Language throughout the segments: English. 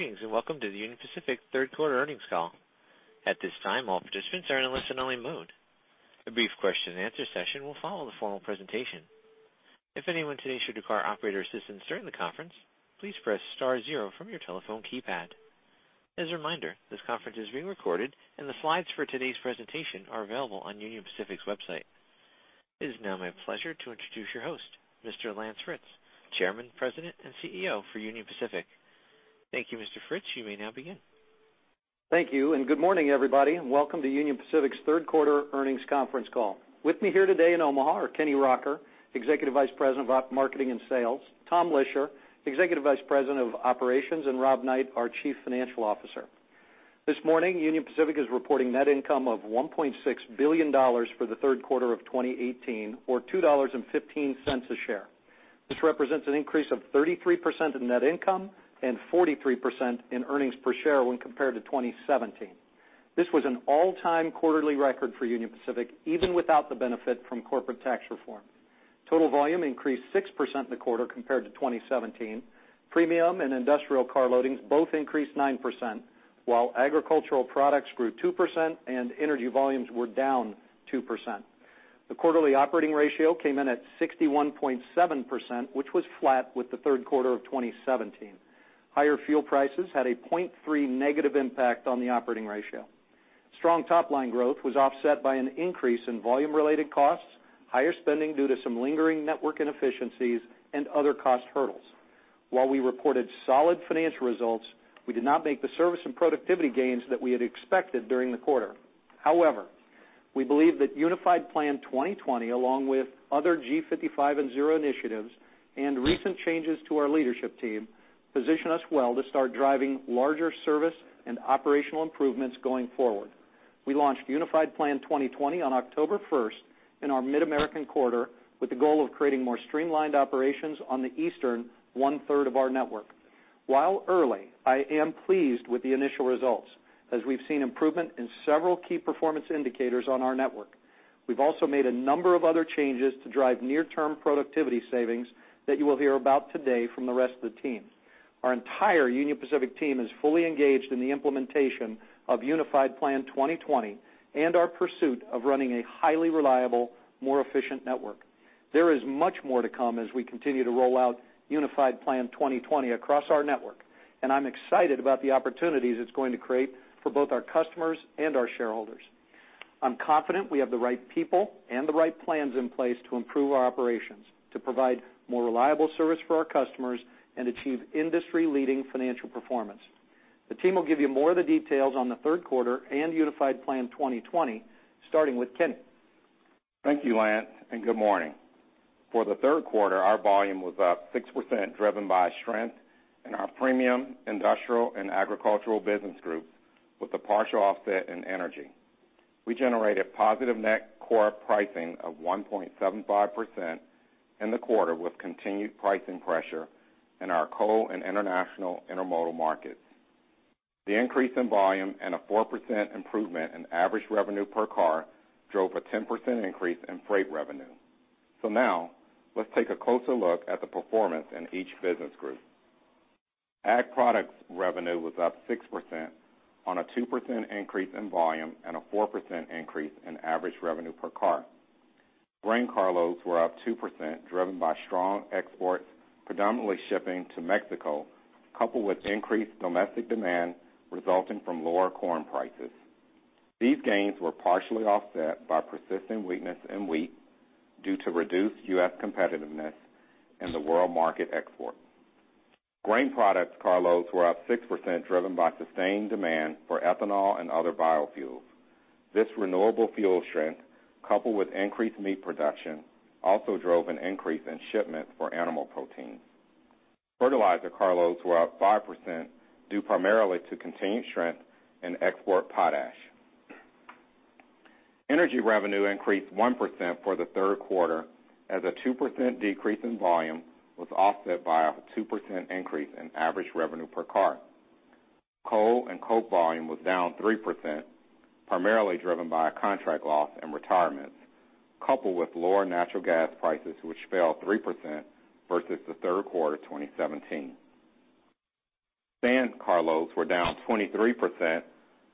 Greetings. Welcome to the Union Pacific third quarter earnings call. At this time, all participants are in a listen-only mode. A brief question-and-answer session will follow the formal presentation. If anyone today should require operator assistance during the conference, please press star zero from your telephone keypad. As a reminder, this conference is being recorded, and the slides for today's presentation are available on Union Pacific's website. It is now my pleasure to introduce your host, Mr. Lance Fritz, Chairman, President, and CEO for Union Pacific. Thank you, Mr. Fritz. You may now begin. Thank you. Good morning, everybody. Welcome to Union Pacific's third quarter earnings conference call. With me here today in Omaha are Kenny Rocker, Executive Vice President of Marketing and Sales, Tom Lischer, Executive Vice President of Operations, and Rob Knight, our Chief Financial Officer. This morning, Union Pacific is reporting net income of $1.6 billion for the third quarter of 2018, or $2.15 a share. This represents an increase of 33% in net income and 43% in earnings per share when compared to 2017. This was an all-time quarterly record for Union Pacific, even without the benefit from corporate tax reform. Total volume increased 6% in the quarter compared to 2017. Premium and industrial car loadings both increased 9%, while agricultural products grew 2% and energy volumes were down 2%. The quarterly operating ratio came in at 61.7%, which was flat with the third quarter of 2017. Higher fuel prices had a 0.3 negative impact on the operating ratio. Strong top-line growth was offset by an increase in volume-related costs, higher spending due to some lingering network inefficiencies, and other cost hurdles. While we reported solid financial results, we did not make the service and productivity gains that we had expected during the quarter. However, we believe that Unified Plan 2020, along with other G55 and Zero initiatives and recent changes to our leadership team, position us well to start driving larger service and operational improvements going forward. We launched Unified Plan 2020 on October first in our Mid-America Corridor with the goal of creating more streamlined operations on the eastern one-third of our network. While early, I am pleased with the initial results, as we've seen improvement in several key performance indicators on our network. We've also made a number of other changes to drive near-term productivity savings that you will hear about today from the rest of the team. Our entire Union Pacific team is fully engaged in the implementation of Unified Plan 2020 and our pursuit of running a highly reliable, more efficient network. There is much more to come as we continue to roll out Unified Plan 2020 across our network, and I'm excited about the opportunities it's going to create for both our customers and our shareholders. I'm confident we have the right people and the right plans in place to improve our operations, to provide more reliable service for our customers, and achieve industry-leading financial performance. The team will give you more of the details on the third quarter and Unified Plan 2020, starting with Kenny. Thank you, Lance, and good morning. For the third quarter, our volume was up 6%, driven by strength in our premium, industrial, and agricultural business groups with a partial offset in energy. We generated positive net core pricing of 1.75% in the quarter, with continued pricing pressure in our coal and international intermodal markets. The increase in volume and a 4% improvement in average revenue per car drove a 10% increase in freight revenue. Now let's take a closer look at the performance in each business group. Ag products revenue was up 6% on a 2% increase in volume and a 4% increase in average revenue per car. Grain car loads were up 2%, driven by strong exports, predominantly shipping to Mexico, coupled with increased domestic demand resulting from lower corn prices. These gains were partially offset by persistent weakness in wheat due to reduced U.S. competitiveness in the world market export. Grain products car loads were up 6%, driven by sustained demand for ethanol and other biofuels. This renewable fuel strength, coupled with increased meat production, also drove an increase in shipments for animal protein. Fertilizer car loads were up 5%, due primarily to continued strength in export potash. Energy revenue increased 1% for the third quarter as a 2% decrease in volume was offset by a 2% increase in average revenue per car. Coal and coke volume was down 3%, primarily driven by a contract loss and retirements, coupled with lower natural gas prices, which fell 3% versus the third quarter 2017. Sand car loads were down 23%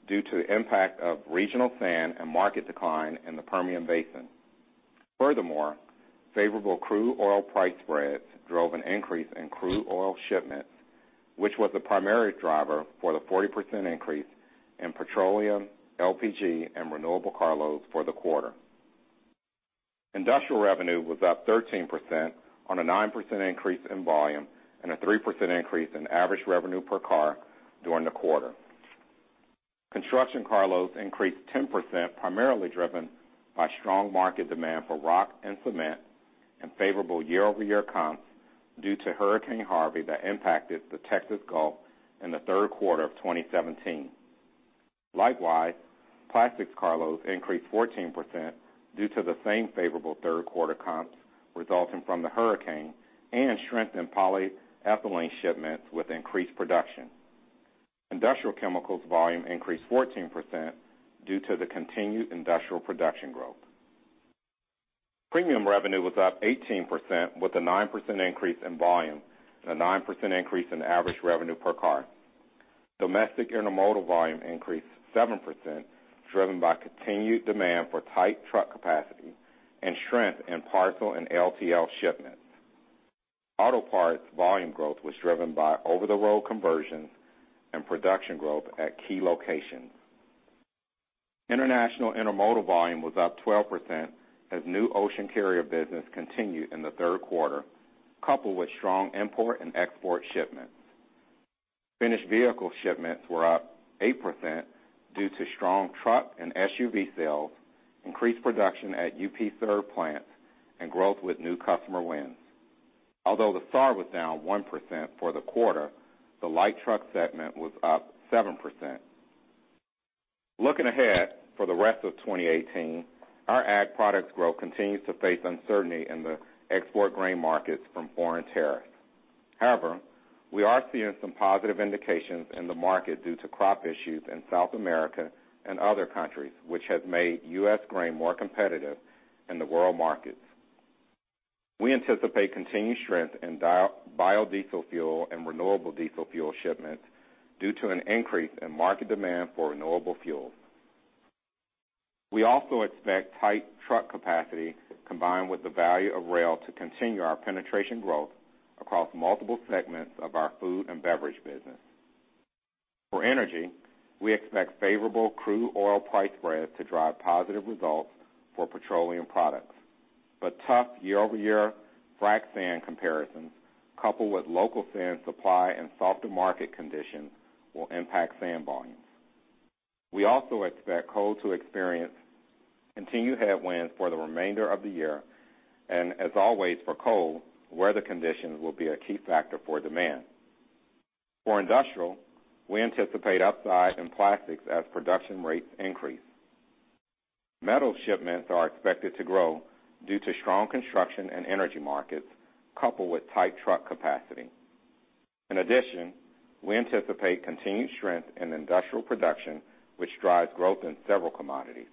due to the impact of regional sand and market decline in the Permian Basin. Furthermore, favorable crude oil price spreads drove an increase in crude oil shipments, which was the primary driver for the 40% increase in petroleum, LPG, and renewable car loads for the quarter. Industrial revenue was up 13% on a 9% increase in volume and a 3% increase in average revenue per car during the quarter. Construction car loads increased 10%, primarily driven by strong market demand for rock and cement and favorable year-over-year comps due to Hurricane Harvey that impacted the Texas Gulf in the third quarter of 2017. Likewise, plastics car loads increased 14% due to the same favorable third-quarter comps resulting from the hurricane and strength in polyethylene shipments with increased production. Industrial chemicals volume increased 14% due to the continued industrial production growth. Premium revenue was up 18%, with a 9% increase in volume and a 9% increase in average revenue per car. Domestic intermodal volume increased 7%, driven by continued demand for tight truck capacity and strength in parcel and LTL shipments. Auto parts volume growth was driven by over-the-road conversions and production growth at key locations. International intermodal volume was up 12% as new ocean carrier business continued in the third quarter, coupled with strong import and export shipments. Finished vehicle shipments were up 8% due to strong truck and SUV sales, increased production at UP-served plants, and growth with new customer wins. Although the SAAR was down 1% for the quarter, the light truck segment was up 7%. Looking ahead for the rest of 2018, our ag products growth continues to face uncertainty in the export grain markets from foreign tariffs. We are seeing some positive indications in the market due to crop issues in South America and other countries, which has made U.S. grain more competitive in the world markets. We anticipate continued strength in biodiesel fuel and renewable diesel fuel shipments due to an increase in market demand for renewable fuels. We also expect tight truck capacity, combined with the value of rail, to continue our penetration growth across multiple segments of our food and beverage business. For energy, we expect favorable crude oil price spreads to drive positive results for petroleum products, but tough year-over-year frac sand comparisons, coupled with local sand supply and softer market conditions, will impact sand volumes. We also expect coal to experience continued headwinds for the remainder of the year. As always, for coal, weather conditions will be a key factor for demand. For industrial, we anticipate upside in plastics as production rates increase. Metal shipments are expected to grow due to strong construction and energy markets, coupled with tight truck capacity. In addition, we anticipate continued strength in industrial production, which drives growth in several commodities.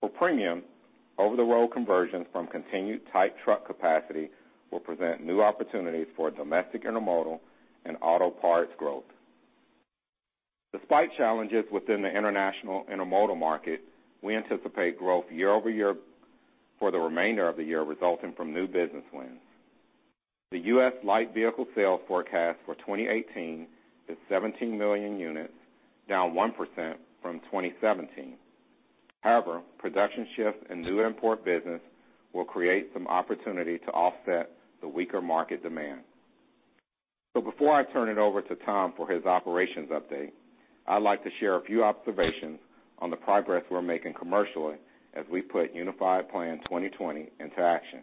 For premium, over-the-road conversions from continued tight truck capacity will present new opportunities for domestic intermodal and auto parts growth. Despite challenges within the international intermodal market, we anticipate growth year-over-year for the remainder of the year resulting from new business wins. The U.S. light vehicle sales forecast for 2018 is 17 million units, down 1% from 2017. Production shifts and new import business will create some opportunity to offset the weaker market demand. Before I turn it over to Tom for his operations update, I'd like to share a few observations on the progress we're making commercially as we put Unified Plan 2020 into action.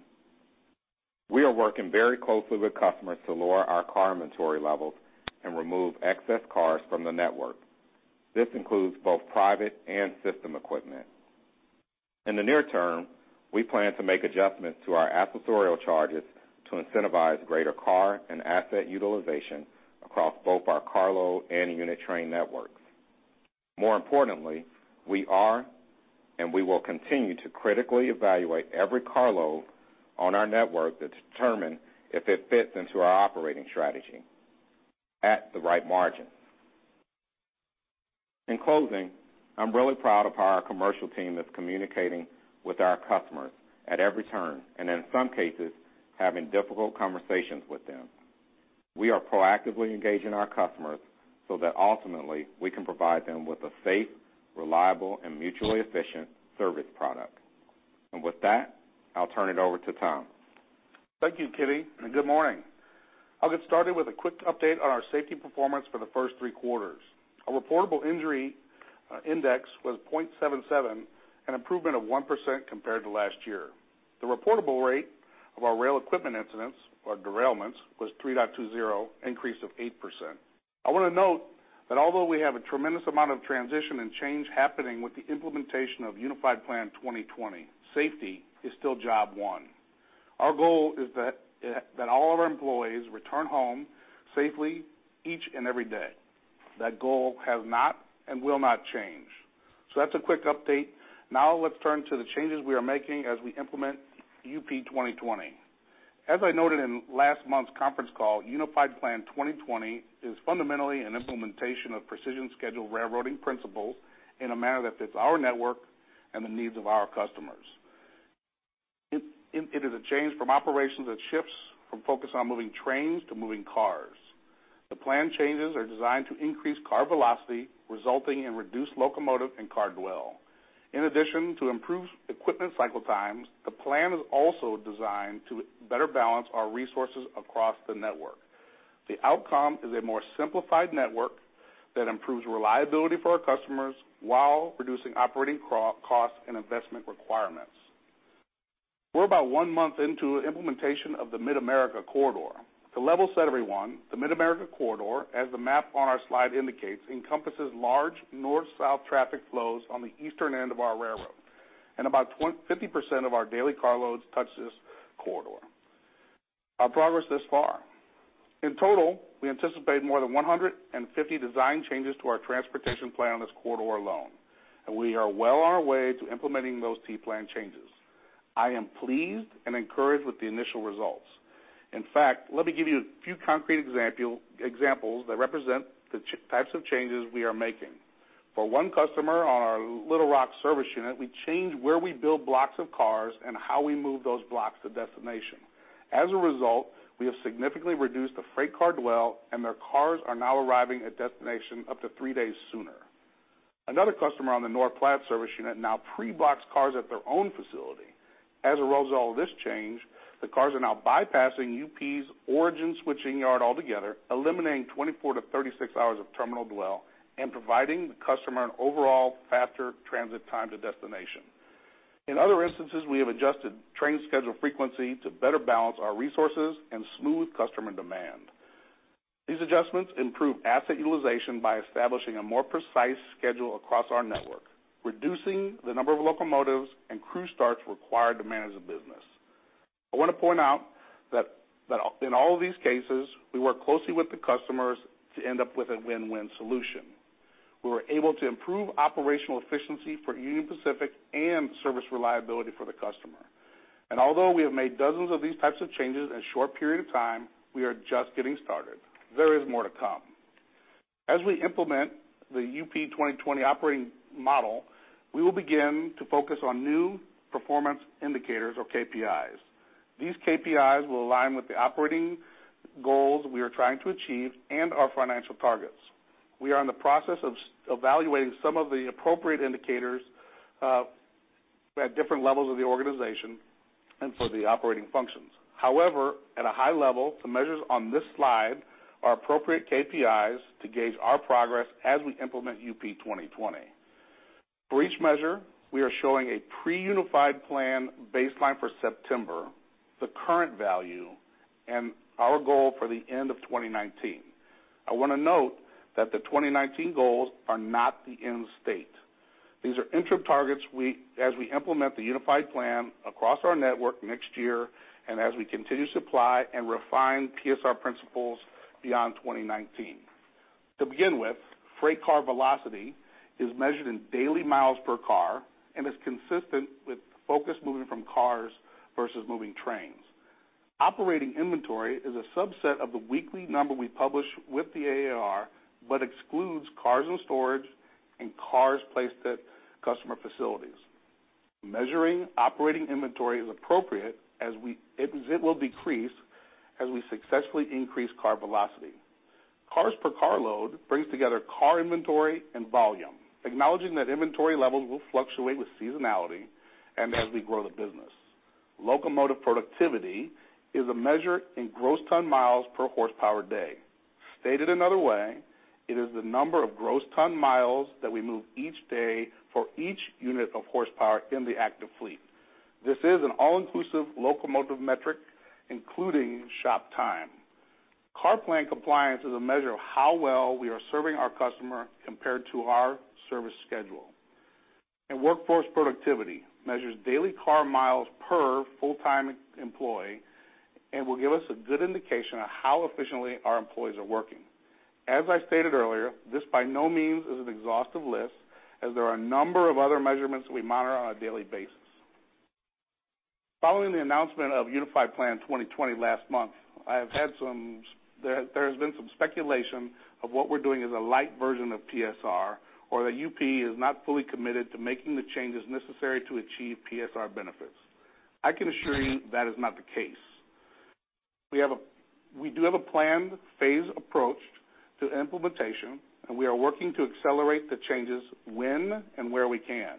We are working very closely with customers to lower our car inventory levels and remove excess cars from the network. This includes both private and system equipment. In the near term, we plan to make adjustments to our accessorial charges to incentivize greater car and asset utilization across both our carload and unit train networks. More importantly, we are and we will continue to critically evaluate every carload on our network to determine if it fits into our operating strategy at the right margin. In closing, I'm really proud of how our commercial team is communicating with our customers at every turn, and in some cases, having difficult conversations with them. We are proactively engaging our customers so that ultimately we can provide them with a safe, reliable, and mutually efficient service product. With that, I'll turn it over to Tom. Thank you, Kenny, and good morning. I'll get started with a quick update on our safety performance for the first three quarters. Our reportable injury index was 0.77, an improvement of 1% compared to last year. The reportable rate of our rail equipment incidents or derailments was 3.20, increase of 8%. I want to note that although we have a tremendous amount of transition and change happening with the implementation of Unified Plan 2020, safety is still job one. Our goal is that all of our employees return home safely each and every day. That goal has not and will not change. That's a quick update. Now let's turn to the changes we are making as we implement UP 2020. As I noted in last month's conference call, Unified Plan 2020 is fundamentally an implementation of Precision Scheduled Railroading principles in a manner that fits our network and the needs of our customers. It is a change from operations that shifts from focus on moving trains to moving cars. The plan changes are designed to increase car velocity, resulting in reduced locomotive and car dwell. In addition to improved equipment cycle times, the plan is also designed to better balance our resources across the network. The outcome is a more simplified network that improves reliability for our customers while reducing operating costs and investment requirements. We're about one month into the implementation of the MidAmerica Corridor. To level set everyone, the MidAmerica Corridor, as the map on our slide indicates, encompasses large north-south traffic flows on the eastern end of our railroad, and about 50% of our daily carloads touch this corridor. Our progress thus far. In total, we anticipate more than 150 design changes to our transportation plan on this corridor alone, and we are well on our way to implementing those T plan changes. I am pleased and encouraged with the initial results. In fact, let me give you a few concrete examples that represent the types of changes we are making. For one customer on our Little Rock service unit, we changed where we build blocks of cars and how we move those blocks to destination. As a result, we have significantly reduced the freight car dwell, and their cars are now arriving at destination up to three days sooner. Another customer on the North Platte service unit now pre-blocks cars at their own facility. As a result of this change, the cars are now bypassing UP's origin switching yard altogether, eliminating 24-36 hours of terminal dwell and providing the customer an overall faster transit time to destination. In other instances, we have adjusted train schedule frequency to better balance our resources and smooth customer demand. These adjustments improve asset utilization by establishing a more precise schedule across our network, reducing the number of locomotives and crew starts required to manage the business. I want to point out that in all of these cases, we work closely with the customers to end up with a win-win solution. We were able to improve operational efficiency for Union Pacific and service reliability for the customer. Although we have made dozens of these types of changes in a short period of time, we are just getting started. There is more to come. As we implement the UP 2020 operating model, we will begin to focus on new performance indicators or KPIs. These KPIs will align with the operating goals we are trying to achieve and our financial targets. We are in the process of evaluating some of the appropriate indicators at different levels of the organization and for the operating functions. However, at a high level, the measures on this slide are appropriate KPIs to gauge our progress as we implement UP 2020. For each measure, we are showing a pre-Unified Plan baseline for September, the current value, and our goal for the end of 2019. I want to note that the 2019 goals are not the end state. These are interim targets as we implement the Unified Plan across our network next year and as we continue to apply and refine PSR principles beyond 2019. To begin with, freight car velocity is measured in daily miles per car and is consistent with focus moving from cars versus moving trains. Operating inventory is a subset of the weekly number we publish with the AAR but excludes cars in storage and cars placed at customer facilities. Measuring operating inventory is appropriate as it will decrease as we successfully increase car velocity. Cars per car load brings together car inventory and volume, acknowledging that inventory levels will fluctuate with seasonality and as we grow the business. Locomotive productivity is a measure in gross ton miles per horsepower day. Stated another way, it is the number of gross ton miles that we move each day for each unit of horsepower in the active fleet. This is an all-inclusive locomotive metric, including shop time. Car plan compliance is a measure of how well we are serving our customer compared to our service schedule. Workforce productivity measures daily car miles per full-time employee and will give us a good indication of how efficiently our employees are working. As I stated earlier, this by no means is an exhaustive list, as there are a number of other measurements we monitor on a daily basis. Following the announcement of Unified Plan 2020 last month, there has been some speculation of what we're doing as a light version of PSR or that UP is not fully committed to making the changes necessary to achieve PSR benefits. I can assure you that is not the case. We do have a planned phase approach to implementation. We are working to accelerate the changes when and where we can.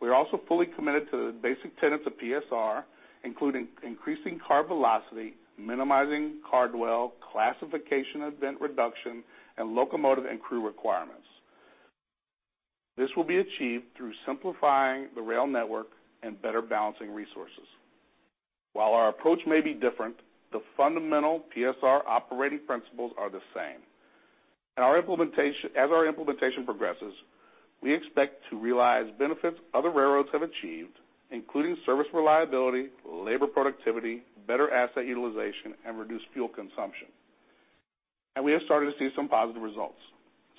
We are also fully committed to the basic tenets of PSR, including increasing car velocity, minimizing car dwell, classification event reduction, and locomotive and crew requirements. This will be achieved through simplifying the rail network and better balancing resources. While our approach may be different, the fundamental PSR operating principles are the same. As our implementation progresses, we expect to realize benefits other railroads have achieved, including service reliability, labor productivity, better asset utilization, and reduced fuel consumption. We have started to see some positive results.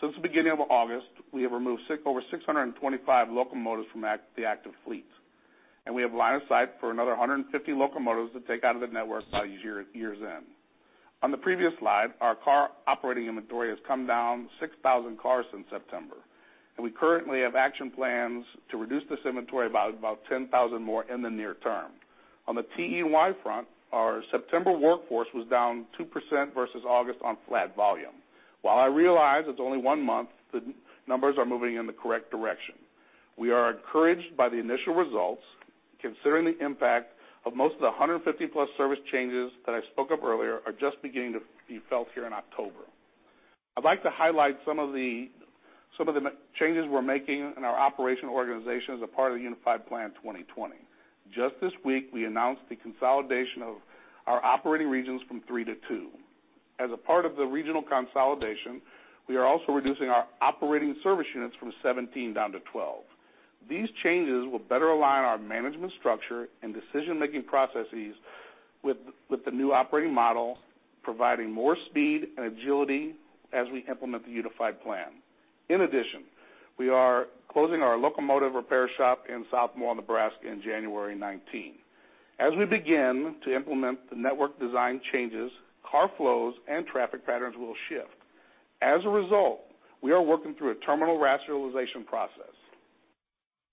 Since the beginning of August, we have removed over 625 locomotives from the active fleet, and we have line of sight for another 150 locomotives to take out of the network by year's end. On the previous slide, our car operating inventory has come down 6,000 cars since September, and we currently have action plans to reduce this inventory by about 10,000 more in the near term. On the TE&Y front, our September workforce was down 2% versus August on flat volume. While I realize it's only one month, the numbers are moving in the correct direction. We are encouraged by the initial results, considering the impact of most of the 150-plus service changes that I spoke of earlier are just beginning to be felt here in October. I'd like to highlight some of the changes we're making in our operational organization as a part of the Unified Plan 2020. Just this week, we announced the consolidation of our operating regions from three to two. As a part of the regional consolidation, we are also reducing our operating service units from 17 down to 12. These changes will better align our management structure and decision-making processes with the new operating model, providing more speed and agility as we implement the Unified Plan. In addition, we are closing our locomotive repair shop in South Omaha, Nebraska in January 2019. As we begin to implement the network design changes, car flows and traffic patterns will shift. As a result, we are working through a terminal rationalization process.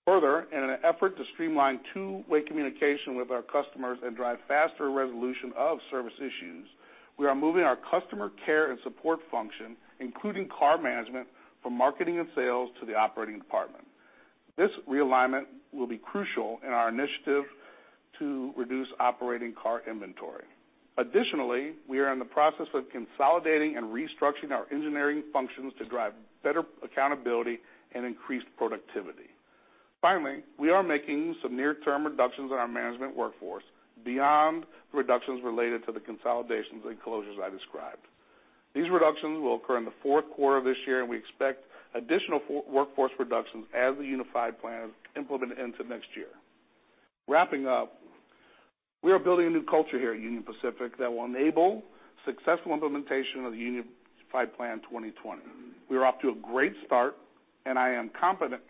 Further, in an effort to streamline two-way communication with our customers and drive faster resolution of service issues, we are moving our customer care and support function, including car management, from marketing and sales to the operating department. This realignment will be crucial in our initiative to reduce operating car inventory. Additionally, we are in the process of consolidating and restructuring our engineering functions to drive better accountability and increased productivity. Finally, we are making some near-term reductions in our management workforce beyond reductions related to the consolidations and closures I described. These reductions will occur in the fourth quarter of this year, and we expect additional workforce reductions as the Unified Plan is implemented into next year. Wrapping up, we are building a new culture here at Union Pacific that will enable successful implementation of the Unified Plan 2020. We are off to a great start, and I am confident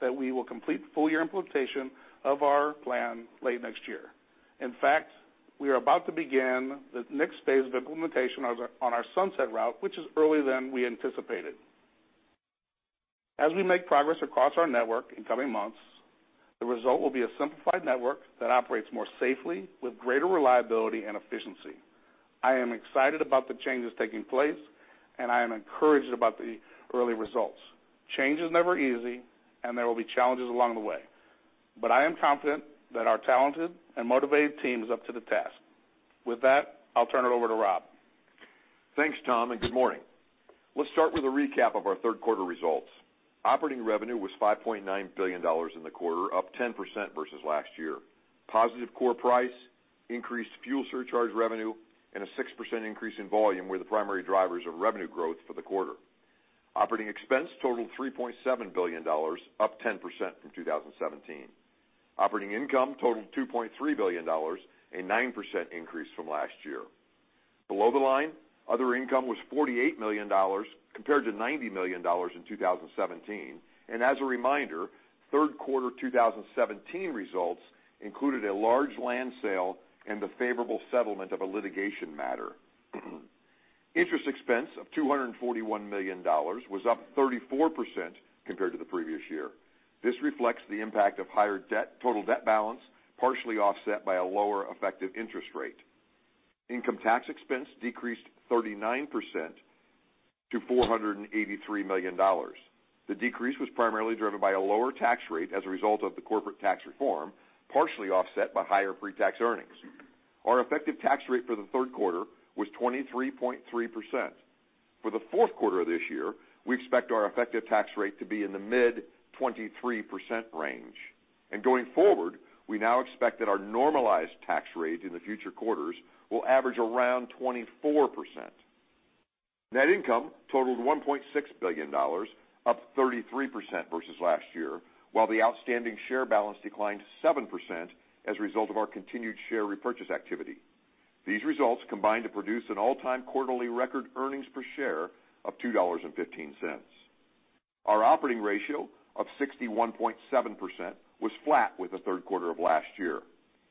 that we will complete the full-year implementation of our plan late next year. In fact, we are about to begin the next phase of implementation on our Sunset Route, which is earlier than we anticipated. As we make progress across our network in coming months, the result will be a simplified network that operates more safely with greater reliability and efficiency. I am excited about the changes taking place, and I am encouraged about the early results. Change is never easy, and there will be challenges along the way, but I am confident that our talented and motivated team is up to the task. With that, I'll turn it over to Rob. Thanks, Tom, and good morning. Let's start with a recap of our third quarter results. Operating revenue was $5.9 billion in the quarter, up 10% versus last year. Positive core price, increased fuel surcharge revenue, and a 6% increase in volume were the primary drivers of revenue growth for the quarter. Operating expense totaled $3.7 billion, up 10% from 2017. Operating income totaled $2.3 billion, a 9% increase from last year. Below the line, other income was $48 million compared to $90 million in 2017. As a reminder, third quarter 2017 results included a large land sale and the favorable settlement of a litigation matter. Interest expense of $241 million was up 34% compared to the previous year. This reflects the impact of higher total debt balance, partially offset by a lower effective interest rate. Income tax expense decreased 39% to $483 million. The decrease was primarily driven by a lower tax rate as a result of the corporate tax reform, partially offset by higher pre-tax earnings. Our effective tax rate for the third quarter was 23.3%. For the fourth quarter of this year, we expect our effective tax rate to be in the mid-23% range. Going forward, we now expect that our normalized tax rate in the future quarters will average around 24%. Net income totaled $1.6 billion, up 33% versus last year, while the outstanding share balance declined 7% as a result of our continued share repurchase activity. These results combined to produce an all-time quarterly record earnings per share of $2.15. Our operating ratio of 61.7% was flat with the third quarter of last year.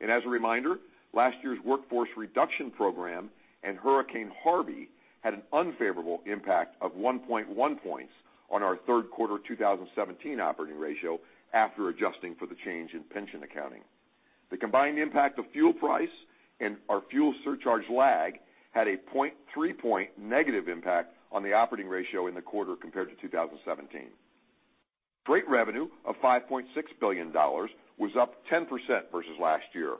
As a reminder, last year's workforce reduction program and Hurricane Harvey had an unfavorable impact of 1.1 points on our third quarter 2017 operating ratio after adjusting for the change in pension accounting. The combined impact of fuel price and our fuel surcharge lag had a 0.3 point negative impact on the operating ratio in the quarter compared to 2017. Freight revenue of $5.6 billion was up 10% versus last year.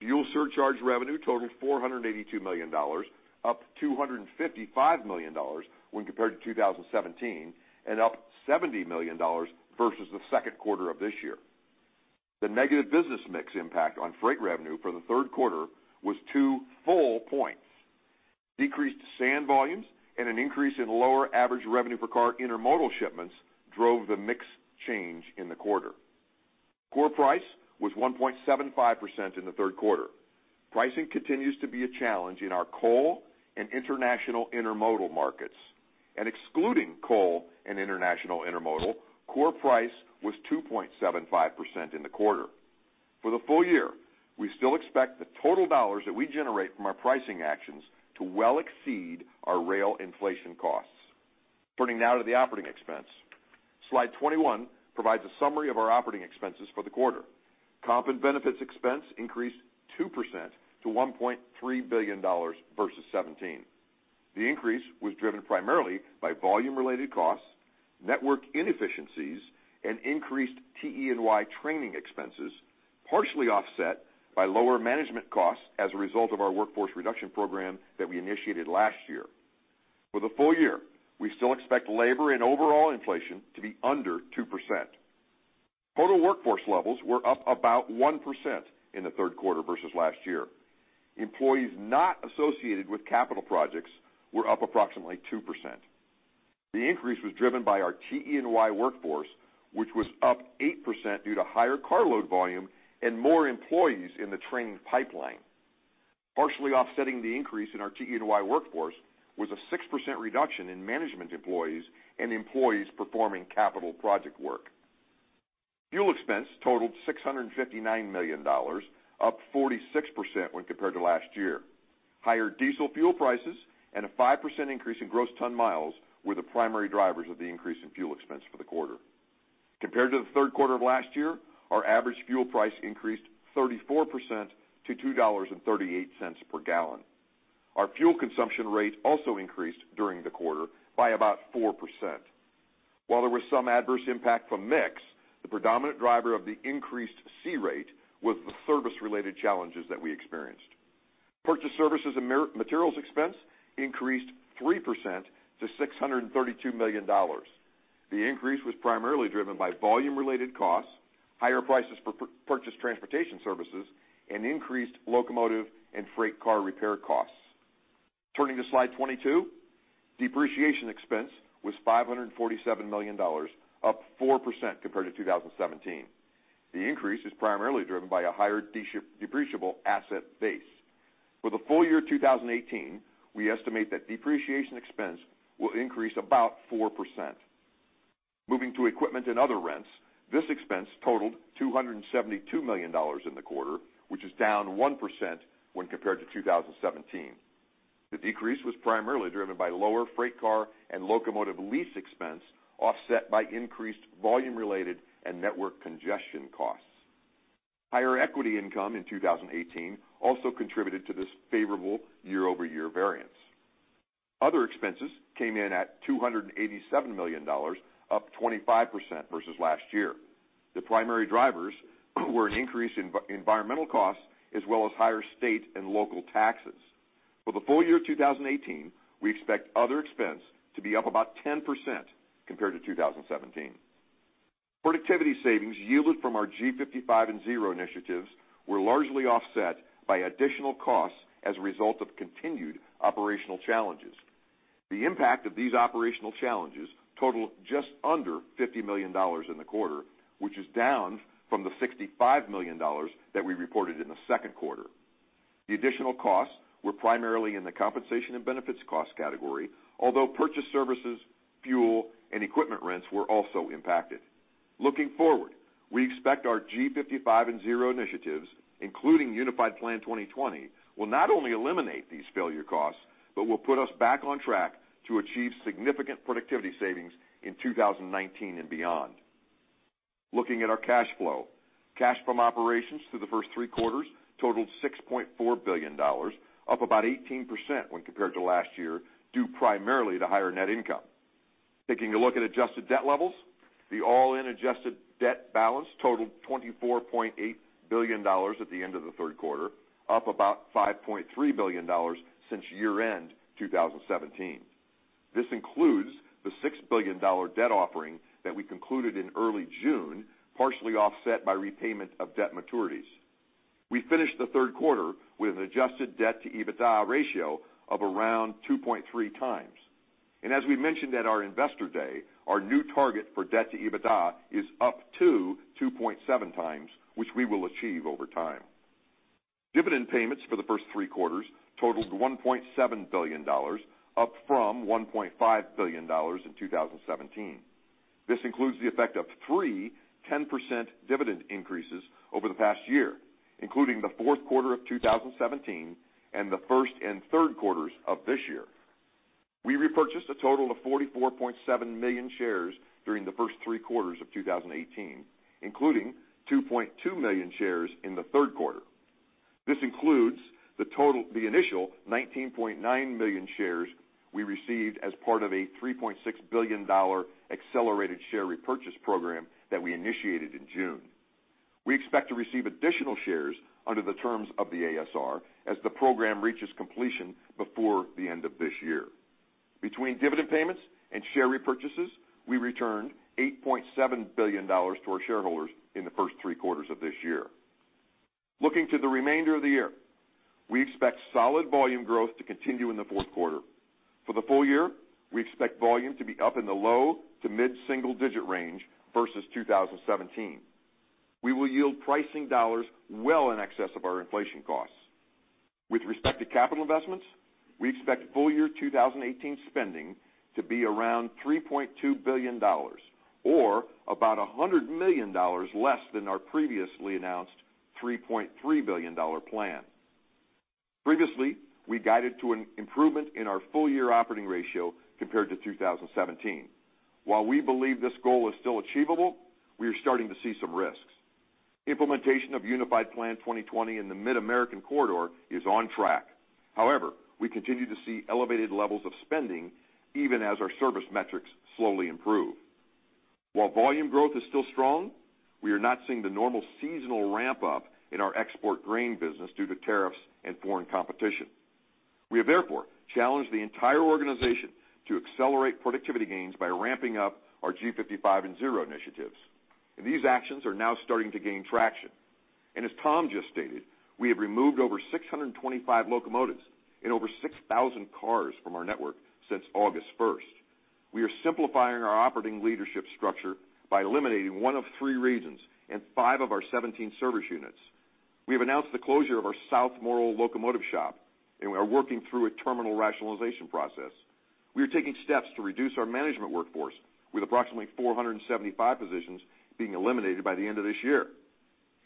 Fuel surcharge revenue totaled $482 million, up $255 million when compared to 2017, and up $70 million versus the second quarter of this year. The negative business mix impact on freight revenue for the third quarter was 2 full points. Decreased sand volumes and an increase in lower average revenue per car intermodal shipments drove the mix change in the quarter. Core price was 1.75% in the third quarter. Pricing continues to be a challenge in our coal and international intermodal markets. Excluding coal and international intermodal, core price was 2.75% in the quarter. For the full year, we still expect the total dollars that we generate from our pricing actions to well exceed our rail inflation costs. Turning now to the operating expense. Slide 21 provides a summary of our operating expenses for the quarter. Comp and benefits expense increased 2% to $1.3 billion versus 2017. The increase was driven primarily by volume-related costs, network inefficiencies, and increased TE&Y training expenses, partially offset by lower management costs as a result of our workforce reduction program that we initiated last year. For the full year, we still expect labor and overall inflation to be under 2%. Total workforce levels were up about 1% in the third quarter versus last year. Employees not associated with capital projects were up approximately 2%. The increase was driven by our TE&Y workforce, which was up 8% due to higher car load volume and more employees in the training pipeline. Partially offsetting the increase in our TE&Y workforce was a 6% reduction in management employees and employees performing capital project work. Fuel expense totaled $659 million, up 46% when compared to last year. Higher diesel fuel prices and a 5% increase in gross ton miles were the primary drivers of the increase in fuel expense for the quarter. Compared to the third quarter of last year, our average fuel price increased 34% to $2.38 per gallon. Our fuel consumption rate also increased during the quarter by about 4%. While there was some adverse impact from mix, the predominant driver of the increased C-rate was the service-related challenges that we experienced. Purchase services and materials expense increased 3% to $632 million. The increase was primarily driven by volume-related costs, higher prices for purchased transportation services, and increased locomotive and freight car repair costs. Turning to slide 22. Depreciation expense was $547 million, up 4% compared to 2017. The increase is primarily driven by a higher depreciable asset base. For the full year 2018, we estimate that depreciation expense will increase about 4%. Moving to equipment and other rents, this expense totaled $272 million in the quarter, which is down 1% when compared to 2017. The decrease was primarily driven by lower freight car and locomotive lease expense, offset by increased volume-related and network congestion costs. Higher equity income in 2018 also contributed to this favorable year-over-year variance. Other expenses came in at $287 million, up 25% versus last year. The primary drivers were an increase in environmental costs as well as higher state and local taxes. For the full year 2018, we expect other expense to be up about 10% compared to 2017. Productivity savings yielded from our G55 and Zero initiatives were largely offset by additional costs as a result of continued operational challenges. The impact of these operational challenges totaled just under $50 million in the quarter, which is down from the $65 million that we reported in the second quarter. The additional costs were primarily in the compensation and benefits cost category, although purchase services, fuel, and equipment rents were also impacted. Looking forward, we expect our G55 and Zero initiatives, including Unified Plan 2020, will not only eliminate these failure costs but will put us back on track to achieve significant productivity savings in 2019 and beyond. Looking at our cash flow. Cash from operations through the first three quarters totaled $6.4 billion, up about 18% when compared to last year, due primarily to higher net income. Taking a look at adjusted debt levels, the all-in adjusted debt balance totaled $24.8 billion at the end of the third quarter, up about $5.3 billion since year-end 2017. This includes the $6 billion debt offering that we concluded in early June, partially offset by repayment of debt maturities. We finished the third quarter with an adjusted debt-to-EBITDA ratio of around 2.3 times. As we mentioned at our investor day, our new target for debt-to-EBITDA is up to 2.7 times, which we will achieve over time. Dividend payments for the first three quarters totaled $1.7 billion, up from $1.5 billion in 2017. This includes the effect of three 10% dividend increases over the past year, including the fourth quarter of 2017 and the first and third quarters of this year. We repurchased a total of 44.7 million shares during the first three quarters of 2018, including 2.2 million shares in the third quarter. This includes the initial 19.9 million shares we received as part of a $3.6 billion accelerated share repurchase program that we initiated in June. We expect to receive additional shares under the terms of the ASR as the program reaches completion before the end of this year. Between dividend payments and share repurchases, we returned $8.7 billion to our shareholders in the first three quarters of this year. Looking to the remainder of the year, we expect solid volume growth to continue in the fourth quarter. For the full year, we expect volume to be up in the low to mid-single digit range versus 2017. We will yield pricing dollars well in excess of our inflation costs. With respect to capital investments, we expect full-year 2018 spending to be around $3.2 billion or about $100 million less than our previously announced $3.3 billion plan. Previously, we guided to an improvement in our full-year operating ratio compared to 2017. While we believe this goal is still achievable, we are starting to see some risks. Implementation of Unified Plan 2020 in the Mid-America Corridor is on track. We continue to see elevated levels of spending even as our service metrics slowly improve. While volume growth is still strong, we are not seeing the normal seasonal ramp-up in our export grain business due to tariffs and foreign competition. We have therefore challenged the entire organization to accelerate productivity gains by ramping up our G55 and Zero initiatives. These actions are now starting to gain traction. As Tom just stated, we have removed over 625 locomotives and over 6,000 cars from our network since August 1st. We are simplifying our operating leadership structure by eliminating one of three regions and five of our 17 service units. We have announced the closureCof our South Morrill locomotive shop, and we are working through a terminal rationalization process. We are taking steps to reduce our management workforce, with approximately 475 positions being eliminated by the end of this year.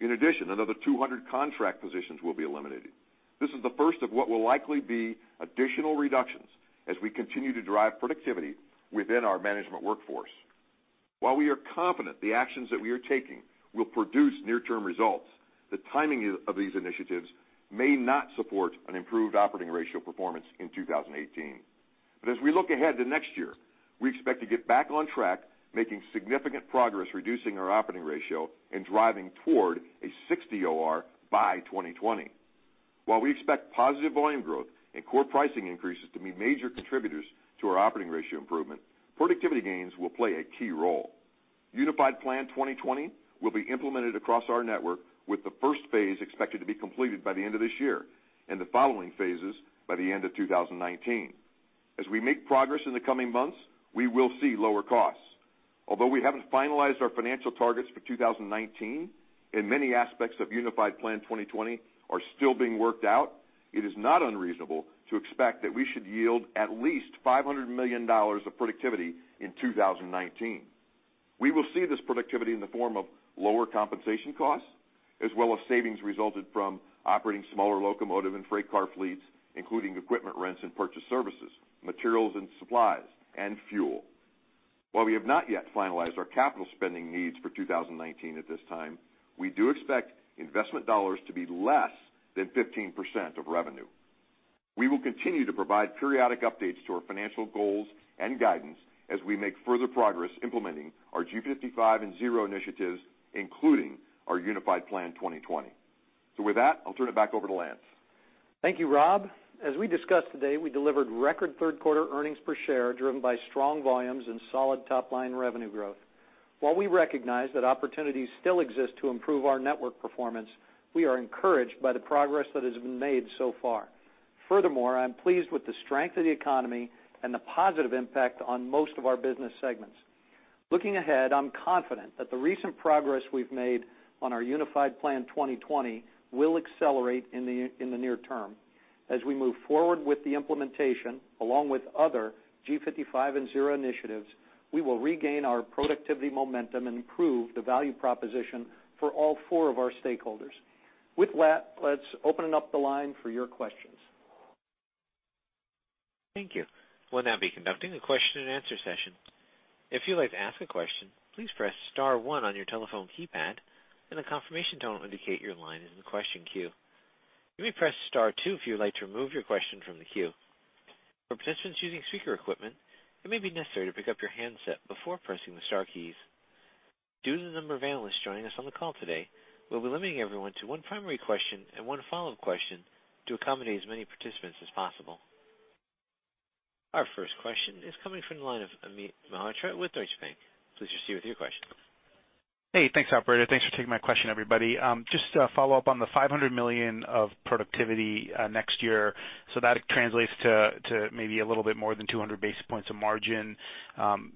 In addition, another 200 contract positions will be eliminated. This is the first of what will likely be additional reductions as we continue to drive productivity within our management workforce. While we are confident the actions that we are taking will produce near-term results, the timing of these initiatives may not support an improved operating ratio performance in 2018. As we look ahead to next year, we expect to get back on track, making significant progress reducing our operating ratio and driving toward a 60 OR by 2020. While we expect positive volume growth and core pricing increases to be major contributors to our operating ratio improvement, productivity gains will play a key role. Unified Plan 2020 will be implemented across our network, with the first phase expected to be completed by the end of this year, and the following phases by the end of 2019. As we make progress in the coming months, we will see lower costs. Although we haven't finalized our financial targets for 2019 and many aspects of Unified Plan 2020 are still being worked out, it is not unreasonable to expect that we should yield at least $500 million of productivity in 2019. We will see this productivity in the form of lower compensation costs, as well as savings resulted from operating smaller locomotive and freight car fleets, including equipment rents and purchase services, materials and supplies, and fuel. While we have not yet finalized our capital spending needs for 2019 at this time, we do expect investment dollars to be less than 15% of revenue. We will continue to provide periodic updates to our financial goals and guidance as we make further progress implementing our G55 and Zero initiatives, including our Unified Plan 2020. With that, I'll turn it back over to Lance. Thank you, Rob. As we discussed today, we delivered record third quarter earnings per share, driven by strong volumes and solid top-line revenue growth. While we recognize that opportunities still exist to improve our network performance, we are encouraged by the progress that has been made so far. Furthermore, I am pleased with the strength of the economy and the positive impact on most of our business segments. Looking ahead, I'm confident that the recent progress we've made on our Unified Plan 2020 will accelerate in the near term. As we move forward with the implementation, along with other G55 and Zero initiatives, we will regain our productivity momentum and improve the value proposition for all four of our stakeholders. With that, let's open up the line for your questions. Thank you. We'll now be conducting a question and answer session. If you'd like to ask a question, please press *1 on your telephone keypad and a confirmation tone will indicate your line is in the question queue. You may press *2 if you would like to remove your question from the queue. For participants using speaker equipment, it may be necessary to pick up your handset before pressing the star keys. Due to the number of analysts joining us on the call today, we'll be limiting everyone to one primary question and one follow-up question to accommodate as many participants as possible. Our first question is coming from the line of Amit Mehrotra with Deutsche Bank. Please proceed with your question. Thanks operator. Thanks for taking my question, everybody. Just to follow up on the $500 million of productivity next year, that translates to maybe a little bit more than 200 basis points of margin,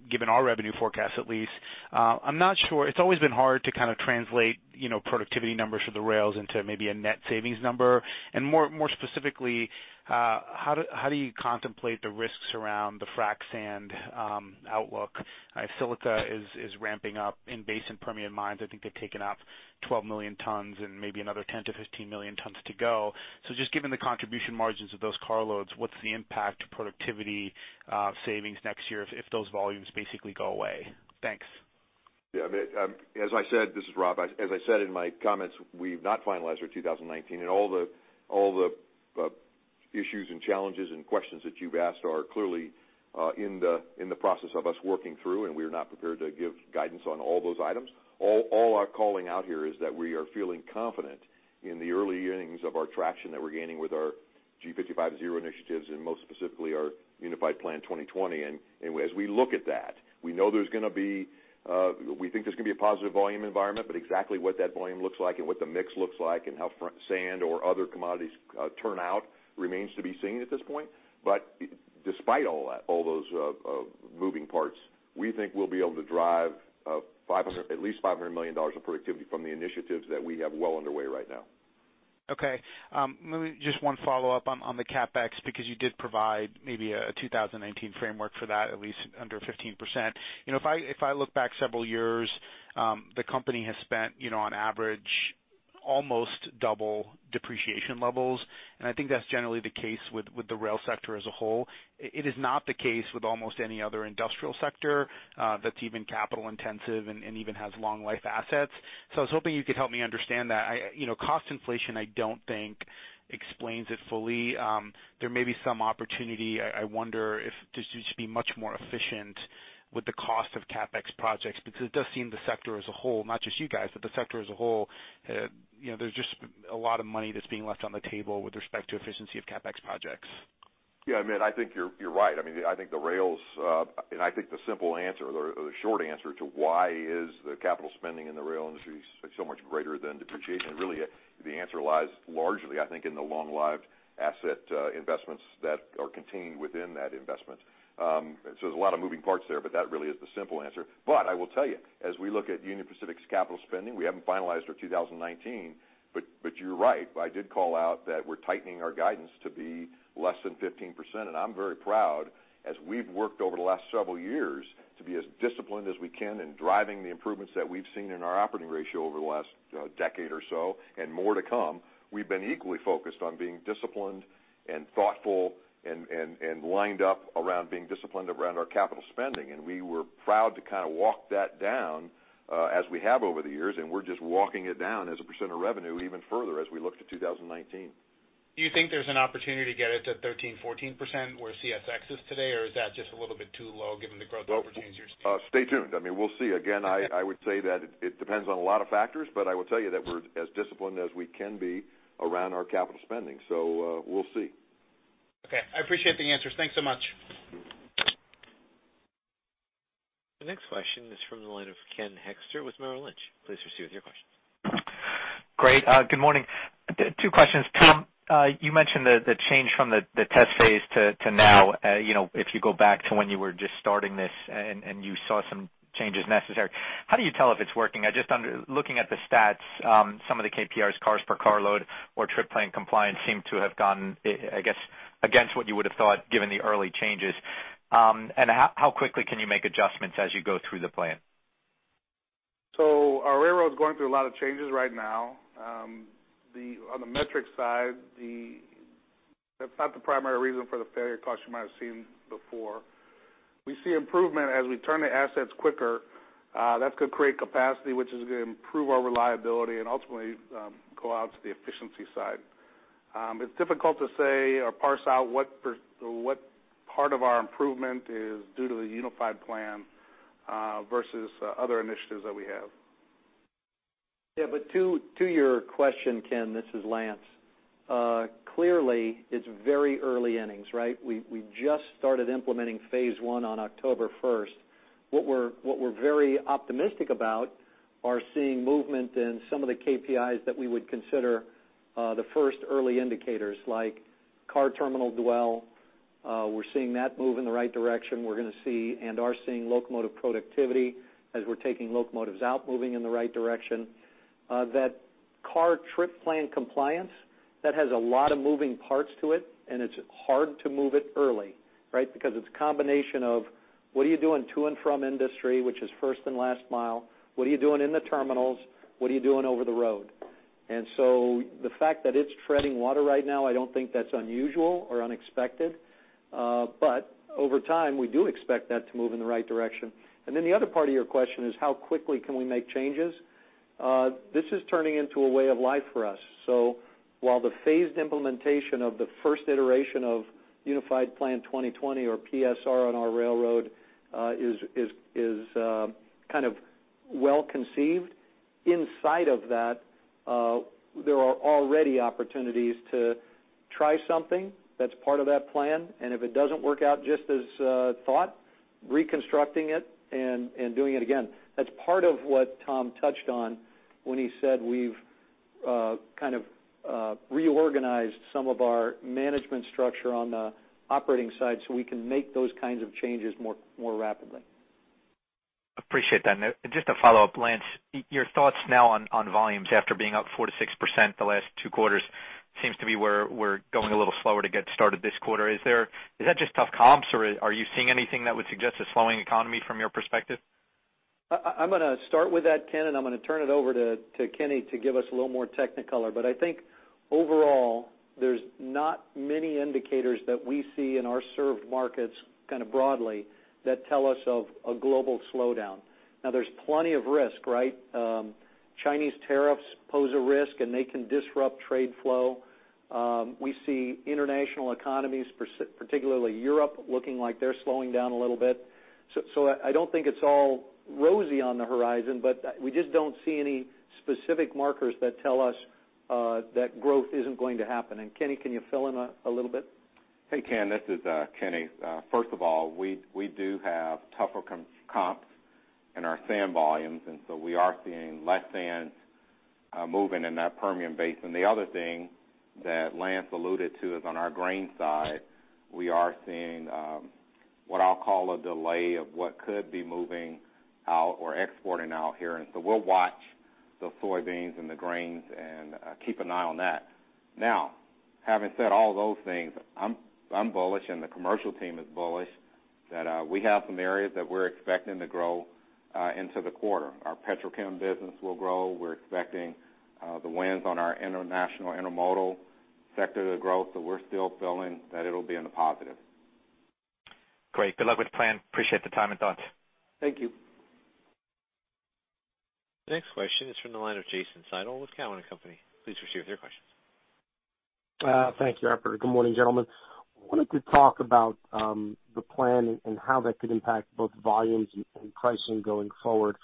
given our revenue forecast, at least. I'm not sure, it's always been hard to kind of translate productivity numbers for the rails into maybe a net savings number. More specifically, how do you contemplate the risks around the frac sand outlook? Hi-Crush is ramping up in basin premium mines. I think they've taken out 12 million tons and maybe another 10 to 15 million tons to go. Just given the contribution margins of those car loads, what's the impact to productivity savings next year if those volumes basically go away? Thanks. Yeah, Amit, this is Rob. As I said in my comments, we've not finalized our 2019, all the issues and challenges and questions that you've asked are clearly in the process of us working through, and we are not prepared to give guidance on all those items. All our calling out here is that we are feeling confident in the early innings of our traction that we're gaining with our G55+0 initiatives, most specifically, our Unified Plan 2020. As we look at that, we think there's going to be a positive volume environment, exactly what that volume looks like and what the mix looks like and how sand or other commodities turn out remains to be seen at this point. Despite all that, all those moving parts, we think we'll be able to drive at least $500 million of productivity from the initiatives that we have well underway right now. Okay. Maybe just one follow-up on the CapEx, because you did provide maybe a 2019 framework for that, at least under 15%. If I look back several years, the company has spent, on average, almost double depreciation levels, I think that's generally the case with the rail sector as a whole. It is not the case with almost any other industrial sector that's even capital intensive and even has long life assets. I was hoping you could help me understand that. Cost inflation, I don't think explains it fully. There may be some opportunity, I wonder, if this is to be much more efficient with the cost of CapEx projects, because it does seem the sector as a whole, not just you guys, but the sector as a whole, there's just a lot of money that's being left on the table with respect to efficiency of CapEx projects. Yeah, Amit Mehrotra, I think you're right. I think the simple answer, or the short answer to why is the capital spending in the rail industry so much greater than depreciation, really, the answer lies largely, I think, in the long-lived asset investments that are contained within that investment. There's a lot of moving parts there, but that really is the simple answer. I will tell you, as we look at Union Pacific's capital spending, we haven't finalized our 2019, but you're right. I did call out that we're tightening our guidance to be less than 15%, and I'm very proud, as we've worked over the last several years, to be as disciplined as we can in driving the improvements that we've seen in our operating ratio over the last decade or so, and more to come. We've been equally focused on being disciplined and thoughtful and lined up around being disciplined around our capital spending. We were proud to walk that down, as we have over the years, and we're just walking it down as a percent of revenue even further as we look to 2019. Do you think there's an opportunity to get it to 13%, 14% where CSX is today, or is that just a little bit too low given the growth opportunities you're seeing? Stay tuned. We'll see. Again, I would say that it depends on a lot of factors, but I will tell you that we're as disciplined as we can be around our capital spending. We'll see. Okay. I appreciate the answers. Thanks so much. The next question is from the line of Ken Hoexter with Merrill Lynch. Please proceed with your question. Great. Good morning. Two questions. Tom, you mentioned the change from the test phase to now, if you go back to when you were just starting this and you saw some changes necessary. How do you tell if it's working? Just looking at the stats, some of the KPIs, cars per car load or trip plan compliance seem to have gone, I guess, against what you would have thought given the early changes. How quickly can you make adjustments as you go through the plan? Our railroad's going through a lot of changes right now. On the metrics side, that's not the primary reason for the failure costs you might have seen before. We see improvement as we turn the assets quicker. That's going to create capacity, which is going to improve our reliability and ultimately go out to the efficiency side. It's difficult to say or parse out what part of our improvement is due to the Unified Plan versus other initiatives that we have. To your question, Ken, this is Lance. Clearly, it's very early innings, right? We just started implementing phase 1 on October 1st. What we're very optimistic about are seeing movement in some of the KPIs that we would consider the first early indicators, like car terminal dwell. We're seeing that move in the right direction. We're going to see, and are seeing locomotive productivity as we're taking locomotives out, moving in the right direction. That car trip plan compliance, that has a lot of moving parts to it, and it's hard to move it early, right? Because it's a combination of what are you doing to and from industry, which is first and last mile, what are you doing in the terminals? What are you doing over the road? The fact that it's treading water right now, I don't think that's unusual or unexpected. Over time, we do expect that to move in the right direction. The other part of your question is how quickly can we make changes? This is turning into a way of life for us. While the phased implementation of the first iteration of Unified Plan 2020 or PSR on our railroad is kind of well-conceived, inside of that, there are already opportunities to try something that's part of that plan, and if it doesn't work out just as thought, reconstructing it and doing it again. That's part of what Tom touched on when he said we've kind of reorganized some of our management structure on the operating side so we can make those kinds of changes more rapidly. Appreciate that. Just a follow-up, Lance, your thoughts now on volumes after being up 4%-6% the last two quarters seems to be we're going a little slower to get started this quarter. Is that just tough comps, or are you seeing anything that would suggest a slowing economy from your perspective? I'm going to start with that, Ken, I'm going to turn it over to Kenny to give us a little more technicolor. I think overall, there's not many indicators that we see in our served markets kind of broadly that tell us of a global slowdown. Now, there's plenty of risk, right? Chinese tariffs pose a risk, and they can disrupt trade flow. We see international economies, particularly Europe, looking like they're slowing down a little bit. I don't think it's all rosy on the horizon, we just don't see any specific markers that tell us that growth isn't going to happen. Kenny, can you fill in a little bit? Hey, Ken, this is Kenny. First of all, we do have tougher comps in our sand volumes, we are seeing less sand moving in that Permian Basin. The other thing that Lance alluded to is on our grains side, we are seeing what I'll call a delay of what could be moving out or exporting out here, we'll watch the soybeans and the grains and keep an eye on that. Having said all those things, I'm bullish, and the commercial team is bullish that we have some areas that we're expecting to grow into the quarter. Our petrochem business will grow. We're expecting the wins on our international intermodal sector to grow, we're still feeling that it'll be in the positive. Great. Good luck with the plan. Appreciate the time and thoughts. Thank you. The next question is from the line of Jason Seidl with Cowen and Company. Please proceed with your question. Thank you, operator. Good morning, gentlemen. Wanted to talk about the plan and how that could impact both volumes and pricing going forward.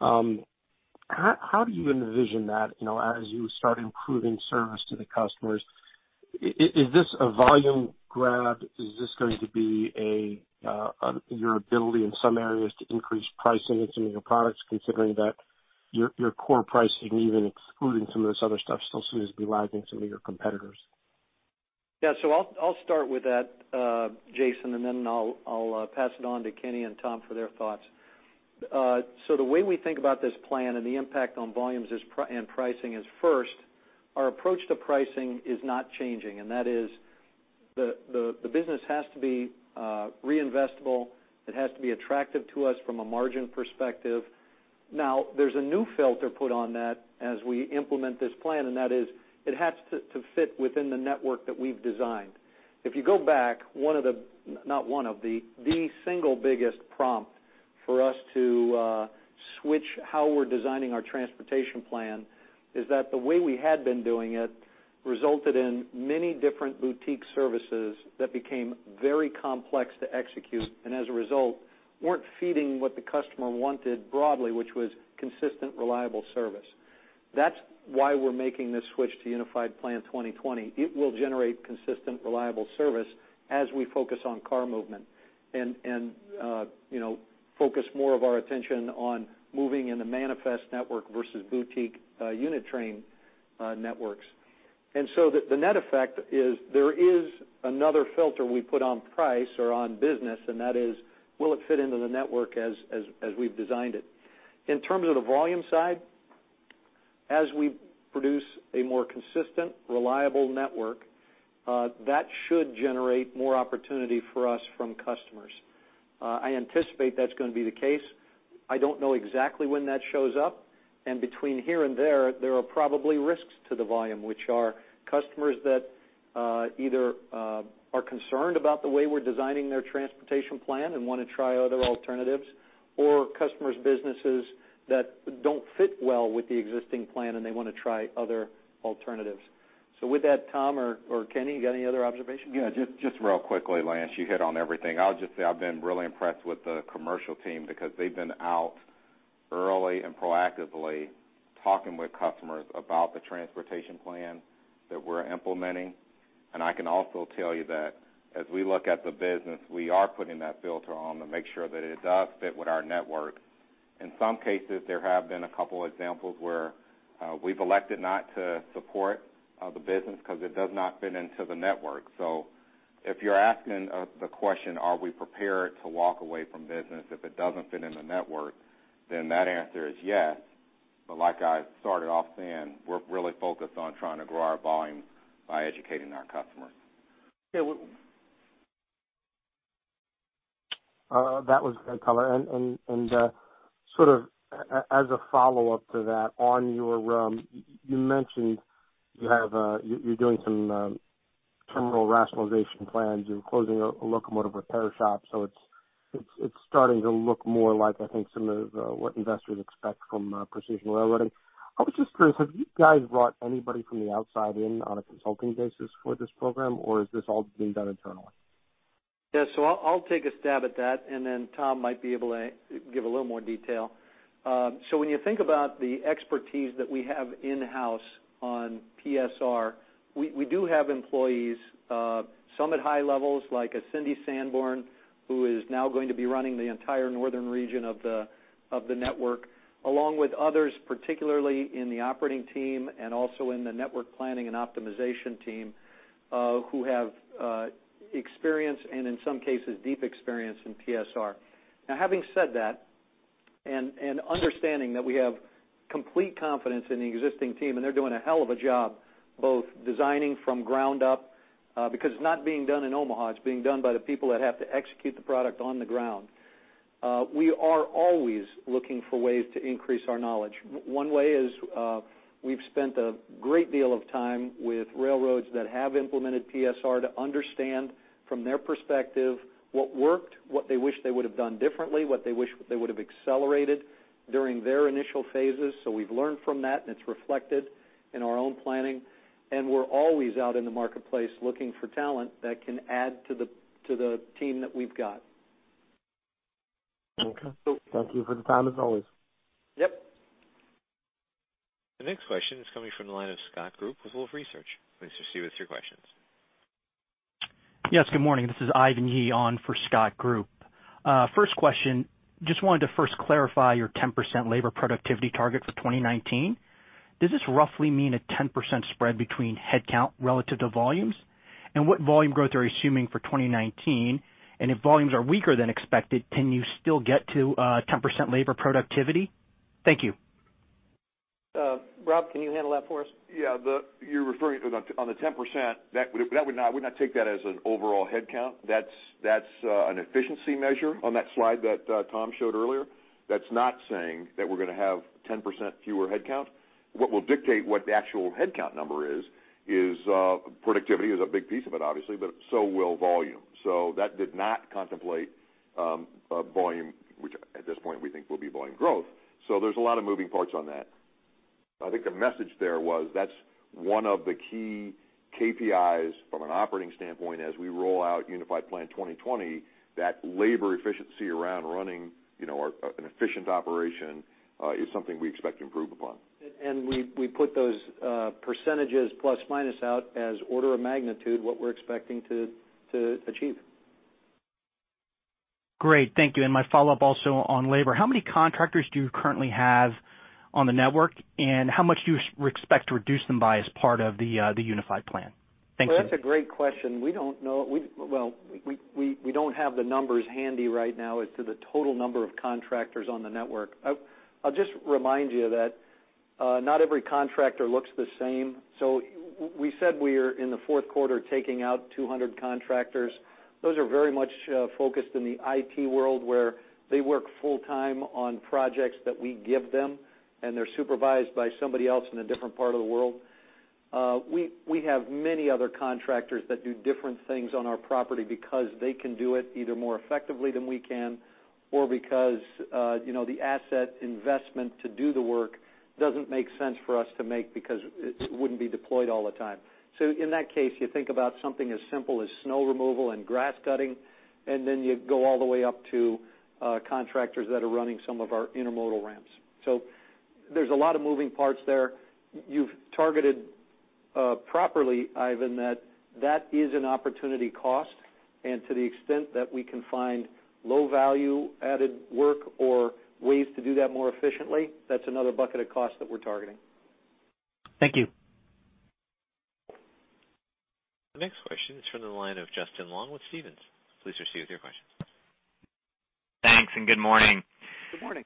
How do you envision that, as you start improving service to the customers, is this a volume grab? Is this going to be your ability in some areas to increase pricing of some of your products, considering that your core pricing, even excluding some of this other stuff, still seems to be lagging some of your competitors? Yeah. I'll start with that, Jason, and then I'll pass it on to Kenny and Tom for their thoughts. The way we think about this plan and the impact on volumes and pricing is, first, our approach to pricing is not changing, and that is the business has to be reinvestable. It has to be attractive to us from a margin perspective. Now, there's a new filter put on that as we implement this plan, and that is it has to fit within the network that we've designed. If you go back, the single biggest prompt for us to switch how we're designing our transportation plan is that the way we had been doing it resulted in many different boutique services that became very complex to execute, and as a result, weren't feeding what the customer wanted broadly, which was consistent, reliable service. That's why we're making this switch to Unified Plan 2020. It will generate consistent, reliable service as we focus on car movement and focus more of our attention on moving in the manifest network versus boutique unit train networks. The net effect is there is another filter we put on price or on business, and that is, will it fit into the network as we've designed it? In terms of the volume side, as we produce a more consistent, reliable network, that should generate more opportunity for us from customers. I anticipate that's going to be the case. I don't know exactly when that shows up, and between here and there are probably risks to the volume, which are customers that either are concerned about the way we're designing their transportation plan and want to try other alternatives, or customers' businesses that don't fit well with the existing plan, and they want to try other alternatives. With that, Tom or Kenny, you got any other observations? Yeah, just real quickly, Lance, you hit on everything. I'll just say I've been really impressed with the commercial team because they've been out early and proactively talking with customers about the transportation plan that we're implementing. I can also tell you that as we look at the business, we are putting that filter on to make sure that it does fit with our network. In some cases, there have been a couple examples where we've elected not to support the business because it does not fit into the network. If you're asking the question, are we prepared to walk away from business if it doesn't fit in the network, then that answer is yes. Like I started off saying, we're really focused on trying to grow our volume by educating our customers. Yeah. That was a good color. Sort of as a follow-up to that, you mentioned you're doing some terminal rationalization plans. You're closing a locomotive repair shop, so it's starting to look more like, I think, some of what investors expect from Precision Railroading. I was just curious, have you guys brought anybody from the outside in on a consulting basis for this program, or is this all being done internally? Yeah. I'll take a stab at that, then Tom might be able to give a little more detail. When you think about the expertise that we have in-house on PSR, we do have employees, some at high levels, like a Cindy Sanborn, who is now going to be running the entire northern region of the network, along with others, particularly in the operating team and also in the network planning and optimization team, who have experience and in some cases, deep experience in PSR. Now, having said that, and understanding that we have complete confidence in the existing team, and they're doing a hell of a job both designing from ground up, because it's not being done in Omaha, it's being done by the people that have to execute the product on the ground. We are always looking for ways to increase our knowledge. One way is we've spent a great deal of time with railroads that have implemented PSR to understand from their perspective what worked, what they wish they would have done differently, what they wish they would have accelerated during their initial phases. We've learned from that, it's reflected in our own planning, we're always out in the marketplace looking for talent that can add to the team that we've got. Okay. Thank you for the time, as always. Yep. The next question is coming from the line of Scott Group with Wolfe Research. Please proceed with your questions. Yes. Good morning. This is Ivan Yi on for Scott Group. First question, just wanted to first clarify your 10% labor productivity target for 2019. Does this roughly mean a 10% spread between headcount relative to volumes? What volume growth are you assuming for 2019? If volumes are weaker than expected, can you still get to 10% labor productivity? Thank you. Rob, can you handle that for us? Yeah. You're referring on the 10%, I would not take that as an overall headcount. That's an efficiency measure on that slide that Tom showed earlier. That's not saying that we're gonna have 10% fewer headcount. What will dictate what the actual headcount number is productivity is a big piece of it, obviously, but so will volume. That did not contemplate volume, which at this point we think will be volume growth. There's a lot of moving parts on that. I think the message there was that's one of the key KPIs from an operating standpoint as we roll out Unified Plan 2020, that labor efficiency around running an efficient operation is something we expect to improve upon. We put those percentages plus, minus out as order of magnitude, what we're expecting to achieve. Great. Thank you. My follow-up also on labor, how many contractors do you currently have on the network, and how much do you expect to reduce them by as part of the Unified Plan? Thank you. That's a great question. We don't know. We don't have the numbers handy right now as to the total number of contractors on the network. I'll just remind you that not every contractor looks the same. We said we're in the fourth quarter, taking out 200 contractors. Those are very much focused in the IT world, where they work full time on projects that we give them, and they're supervised by somebody else in a different part of the world. We have many other contractors that do different things on our property because they can do it either more effectively than we can or because the asset investment to do the work doesn't make sense for us to make because it wouldn't be deployed all the time. In that case, you think about something as simple as snow removal and grass cutting, you go all the way up to contractors that are running some of our intermodal ramps. There's a lot of moving parts there. You've targeted properly, Ivan, that is an opportunity cost, and to the extent that we can find low value-added work or ways to do that more efficiently, that's another bucket of cost that we're targeting. Thank you. The next question is from the line of Justin Long with Stephens. Please proceed with your question. Thanks, good morning. Good morning.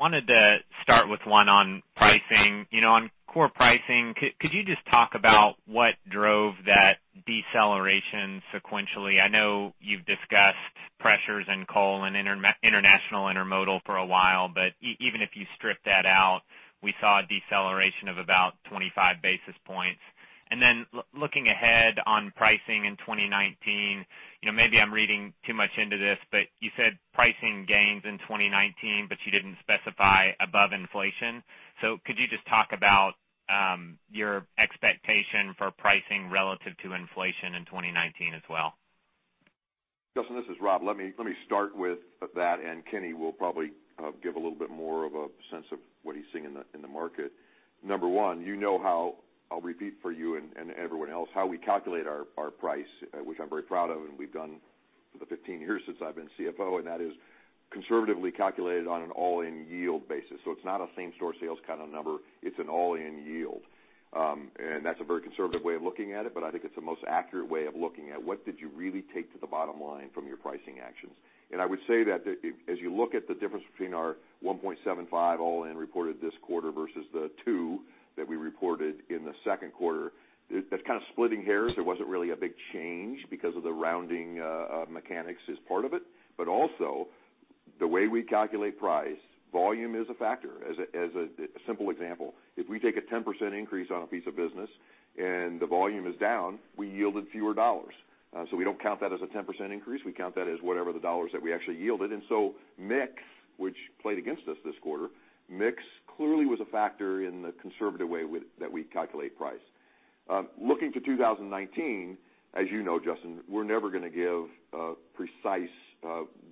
I wanted to start with one on pricing. On core pricing, could you just talk about what drove that deceleration sequentially? I know you've discussed pressures in coal and international intermodal for a while, but even if you strip that out, we saw a deceleration of about 25 basis points. Then looking ahead on pricing in 2019, maybe I'm reading too much into this, but you said pricing gains in 2019, but you didn't specify above inflation. Could you just talk about your expectation for pricing relative to inflation in 2019 as well? Justin, this is Rob. Let me start with that, and Kenny will probably give a little bit more of a sense of what he's seeing in the market. Number 1, you know how, I'll repeat for you and everyone else, how we calculate our price, which I'm very proud of, and we've done for the 15 years since I've been CFO, and that is conservatively calculated on an all-in yield basis. It's not a same-store sales kind of number. It's an all-in yield. That's a very conservative way of looking at it, but I think it's the most accurate way of looking at what did you really take to the bottom line from your pricing actions. I would say that as you look at the difference between our $1.75 all-in reported this quarter versus the 2 that we reported in the second quarter, that's kind of splitting hairs. There wasn't really a big change because of the rounding of mechanics is part of it. Also, the way we calculate price, volume is a factor. As a simple example, if we take a 10% increase on a piece of business and the volume is down, we yielded fewer dollars. We don't count that as a 10% increase. We count that as whatever the dollars that we actually yielded. Mix, which played against us this quarter, mix clearly was a factor in the conservative way that we calculate price. Looking to 2019, as you know, Justin, we're never going to give precise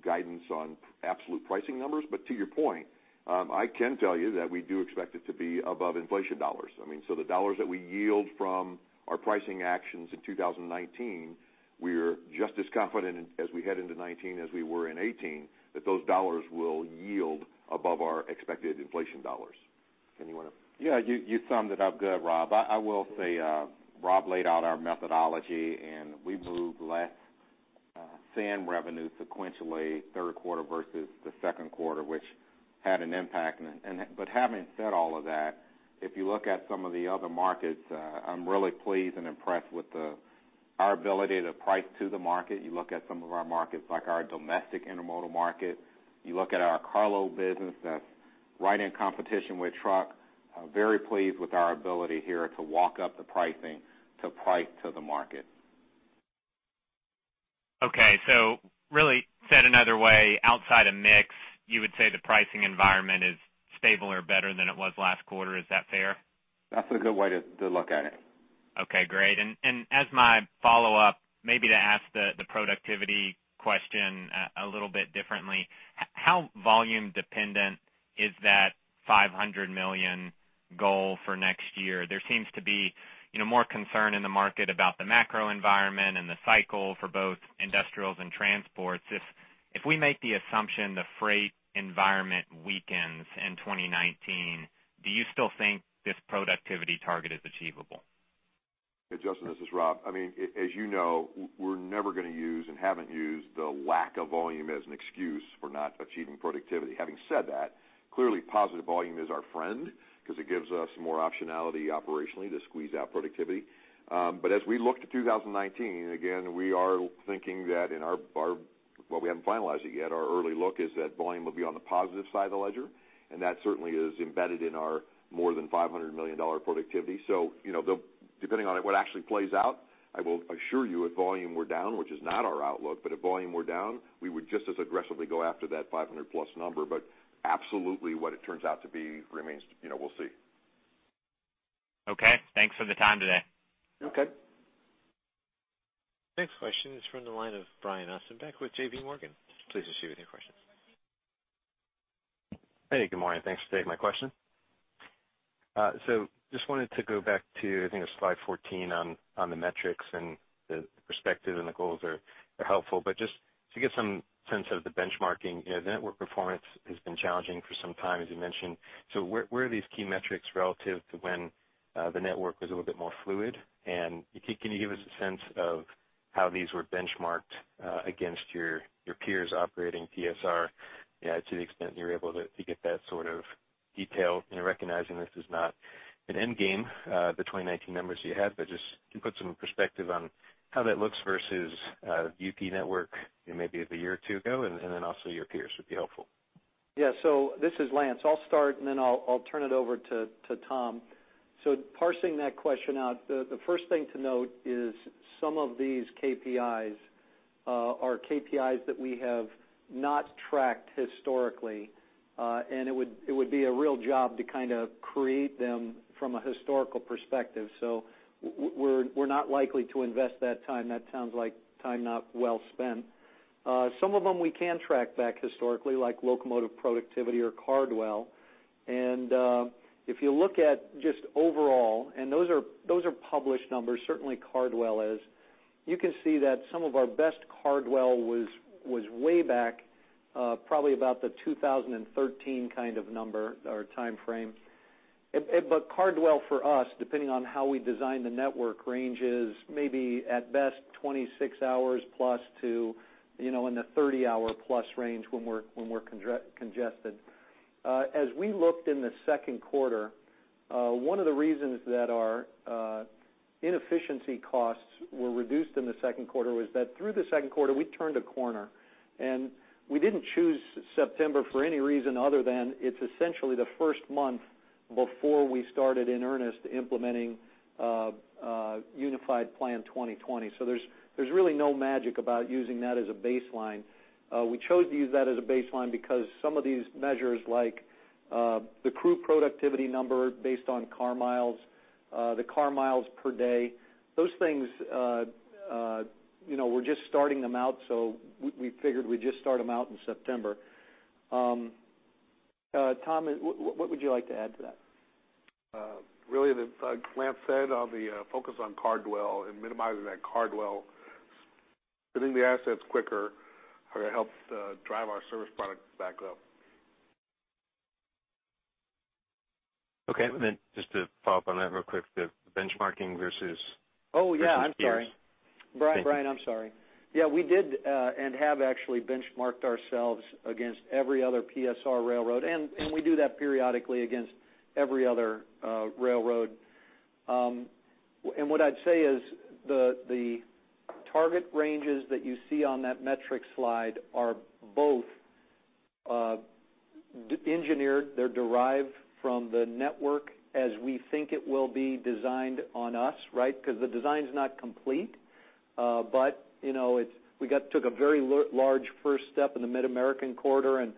guidance on absolute pricing numbers. To your point, I can tell you that we do expect it to be above inflation dollars. The dollars that we yield from our pricing actions in 2019, we're just as confident as we head into 2019 as we were in 2018, that those dollars will yield above our expected inflation dollars. Kenny, you want to? You summed it up good, Rob. I will say Rob laid out our methodology, we moved less sand revenue sequentially third quarter versus the second quarter, which had an impact. Having said all of that, if you look at some of the other markets, I'm really pleased and impressed with our ability to price to the market. You look at some of our markets, like our domestic intermodal market. You look at our carload business that's right in competition with truck. Very pleased with our ability here to walk up the pricing to price to the market. Okay. Really said another way, outside of mix, you would say the pricing environment is stable or better than it was last quarter. Is that fair? That's a good way to look at it. Okay, great. As my follow-up, maybe to ask the productivity question a little bit differently, how volume dependent is that $500 million goal for next year? There seems to be more concern in the market about the macro environment and the cycle for both industrials and transports. If we make the assumption the freight environment weakens in 2019, do you still think this productivity target is achievable? Hey, Justin, this is Rob. As you know, we're never going to use and haven't used the lack of volume as an excuse for not achieving productivity. Having said that, clearly positive volume is our friend because it gives us more optionality operationally to squeeze out productivity. As we look to 2019, again, we are thinking that well, we haven't finalized it yet. Our early look is that volume will be on the positive side of the ledger, and that certainly is embedded in our more than $500 million productivity. Depending on what actually plays out, I will assure you if volume were down, which is not our outlook, if volume were down, we would just as aggressively go after that 500-plus number. Absolutely what it turns out to be remains, we'll see. Okay. Thanks for the time today. Okay. Next question is from the line of Brian Ossenbeck with J.P. Morgan. Please proceed with your question. Hey, good morning. Thanks for taking my question. Just wanted to go back to, I think it was slide 14 on the metrics and the perspective and the goals are helpful, but just to get some sense of the benchmarking, the network performance has been challenging for some time, as you mentioned. Where are these key metrics relative to when the network was a little bit more fluid? And can you give us a sense of how these were benchmarked against your peers operating PSR to the extent that you're able to get that sort of detail, recognizing this is not an end game, the 2019 numbers you have, but just can you put some perspective on how that looks versus UP network, maybe of a year or two ago, and then also your peers would be helpful. Yeah. This is Lance. I'll start and then I'll turn it over to Tom. Parsing that question out, the first thing to note is some of these KPIs are KPIs that we have not tracked historically, and it would be a real job to create them from a historical perspective. We're not likely to invest that time. That sounds like time not well spent. Some of them we can track back historically, like locomotive productivity or car dwell. And if you look at just overall, and those are published numbers, certainly car dwell is, you can see that some of our best car dwell was way back, probably about the 2013 kind of number or timeframe. But car dwell for us, depending on how we design the network, ranges maybe at best 26 hours plus to in the 30 hour plus range when we're congested. As we looked in the second quarter, one of the reasons that our inefficiency costs were reduced in the second quarter was that through the second quarter, we turned a corner and we didn't choose September for any reason other than it's essentially the first month before we started in earnest implementing Unified Plan 2020. There's really no magic about using that as a baseline. We chose to use that as a baseline because some of these measures like the crew productivity number based on car miles, the car miles per day, those things, we're just starting them out, so we figured we'd just start them out in September. Tom, what would you like to add to that? Like Lance said, the focus on car dwell and minimizing that car dwell, spinning the assets quicker are going to help drive our service products back up. Okay. Just to follow up on that real quick, the benchmarking versus- Yeah, I'm sorry. Thank you. Brian, I'm sorry. Yeah, we did and have actually benchmarked ourselves against every other PSR railroad, and we do that periodically against every other railroad. What I'd say is the target ranges that you see on that metric slide are both engineered, they're derived from the network as we think it will be designed on us, right? Because the design's not complete. We took a very large first step in the Mid-America Corridor, and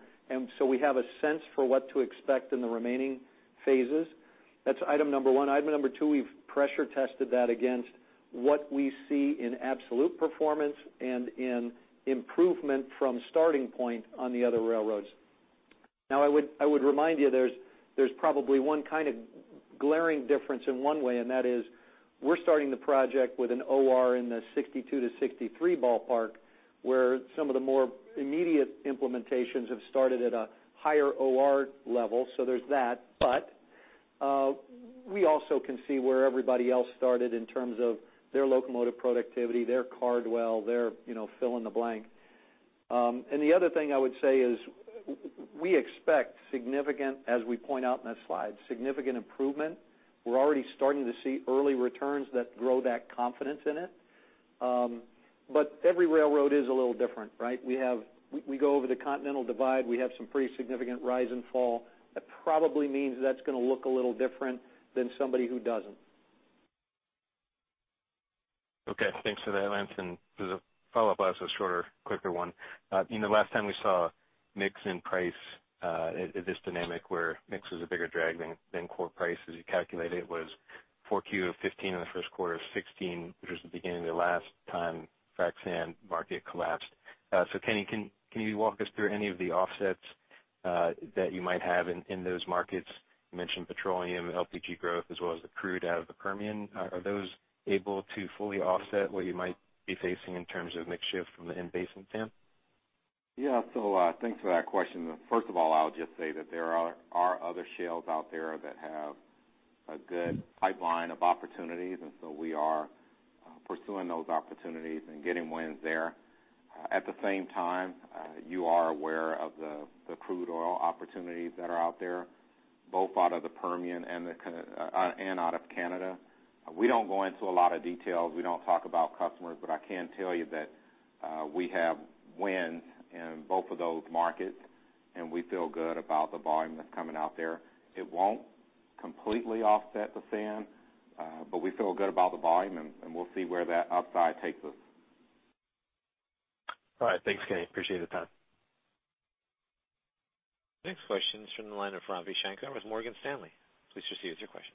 so we have a sense for what to expect in the remaining phases. That's item number 1. Item number 2, we've pressure tested that against what we see in absolute performance and in improvement from starting point on the other railroads. Now, I would remind you, there's probably one kind of glaring difference in one way, and that is we're starting the project with an OR in the 62-63 ballpark, where some of the more immediate implementations have started at a higher OR level. There's that. We also can see where everybody else started in terms of their locomotive productivity, their car dwell, their fill in the blank. The other thing I would say is we expect significant, as we point out in that slide, significant improvement. We're already starting to see early returns that grow that confidence in it. Every railroad is a little different, right? We go over the Continental Divide. We have some pretty significant rise and fall. That probably means that's going to look a little different than somebody who doesn't. Okay, thanks for that, Lance. The follow-up, I have a shorter, quicker one. The last time we saw mix and price, this dynamic where mix was a bigger drag than core price as you calculate it, was Q4 of 2015, and the first quarter of 2016, which was the beginning of the last time frac sand market collapsed. Kenny, can you walk us through any of the offsets that you might have in those markets? You mentioned petroleum, LPG growth, as well as the crude out of the Permian. Are those able to fully offset what you might be facing in terms of mix shift from the in-basin sand? Yeah. Thanks for that question. First of all, I'll just say that there are other shales out there that have a good pipeline of opportunities, and so we are pursuing those opportunities and getting wins there. At the same time, you are aware of the crude oil opportunities that are out there, both out of the Permian and out of Canada. We don't go into a lot of details. We don't talk about customers, but I can tell you that we have wins in both of those markets, and we feel good about the volume that's coming out there. It won't completely offset the sand, but we feel good about the volume, and we'll see where that upside takes us. All right. Thanks, Kenny. Appreciate the time. Next question is from the line of Ravi Shanker with Morgan Stanley. Please proceed with your question.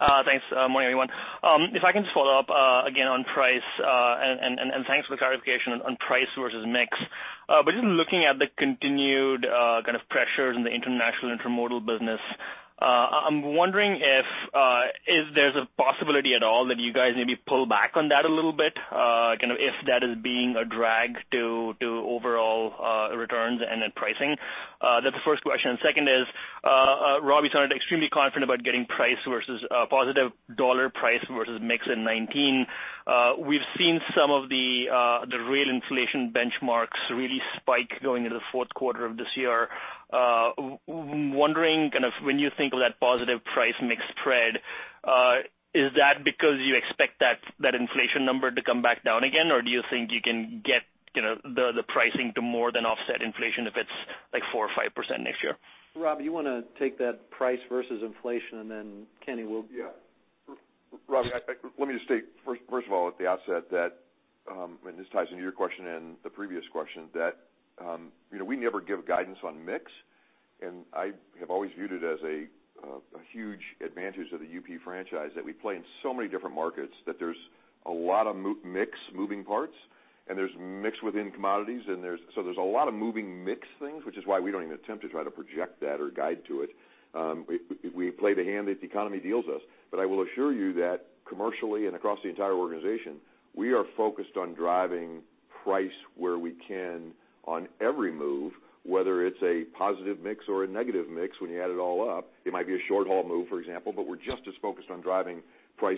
Thanks. Morning, everyone. If I can just follow up again on price, thanks for the clarification on price versus mix. Just looking at the continued kind of pressures in the international intermodal business, I'm wondering if there's a possibility at all that you guys maybe pull back on that a little bit, if that is being a drag to overall returns and then pricing. That's the first question. Second is, Robbie sounded extremely confident about getting positive dollar price versus mix in 2019. We've seen some of the real inflation benchmarks really spike going into the fourth quarter of this year. Wondering, when you think of that positive price mix spread, is that because you expect that inflation number to come back down again, or do you think you can get the pricing to more than offset inflation if it's, like, 4% or 5% next year? Rob, you want to take that price versus inflation. Yeah. Ravi, let me just state, first of all, at the outset that, this ties into your question and the previous question, that we never give guidance on mix. I have always viewed it as a huge advantage of the UP franchise that we play in so many different markets, that there's a lot of mix moving parts, and there's mix within commodities. There's a lot of moving mix things, which is why we don't even attempt to try to project that or guide to it. We play the hand that the economy deals us. I will assure you that commercially and across the entire organization, we are focused on driving price where we can on every move, whether it's a positive mix or a negative mix when you add it all up. It might be a short-haul move, for example, we're just as focused on driving price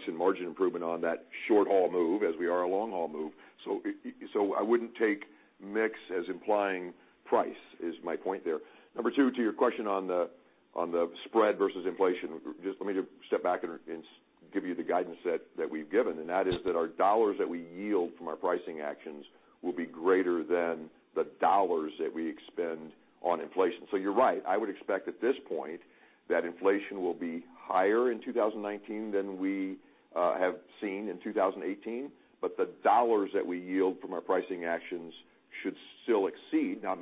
and margin improvement on that short-haul move as we are a long-haul move. I wouldn't take mix as implying price is my point there. Number two, to your question on the spread versus inflation, let me step back and give you the guidance that we've given, that is that our dollars that we yield from our pricing actions will be greater than the dollars that we expend on inflation. You're right, I would expect at this point that inflation will be higher in 2019 than we have seen in 2018, the dollars that we yield from our pricing actions should still exceed. Now,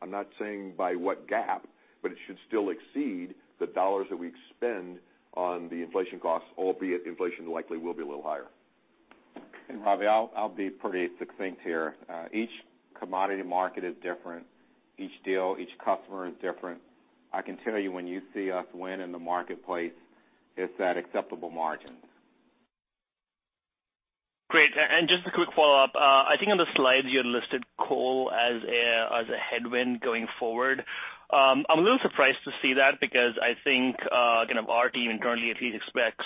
I'm not saying by what gap, it should still exceed the dollars that we expend on the inflation costs, albeit inflation likely will be a little higher. Ravi, I'll be pretty succinct here. Each commodity market is different. Each deal, each customer is different. I can tell you when you see us win in the marketplace, it's at acceptable margins. Just a quick follow-up. I think on the slides you had listed coal as a headwind going forward. I'm a little surprised to see that because I think our team internally at least expects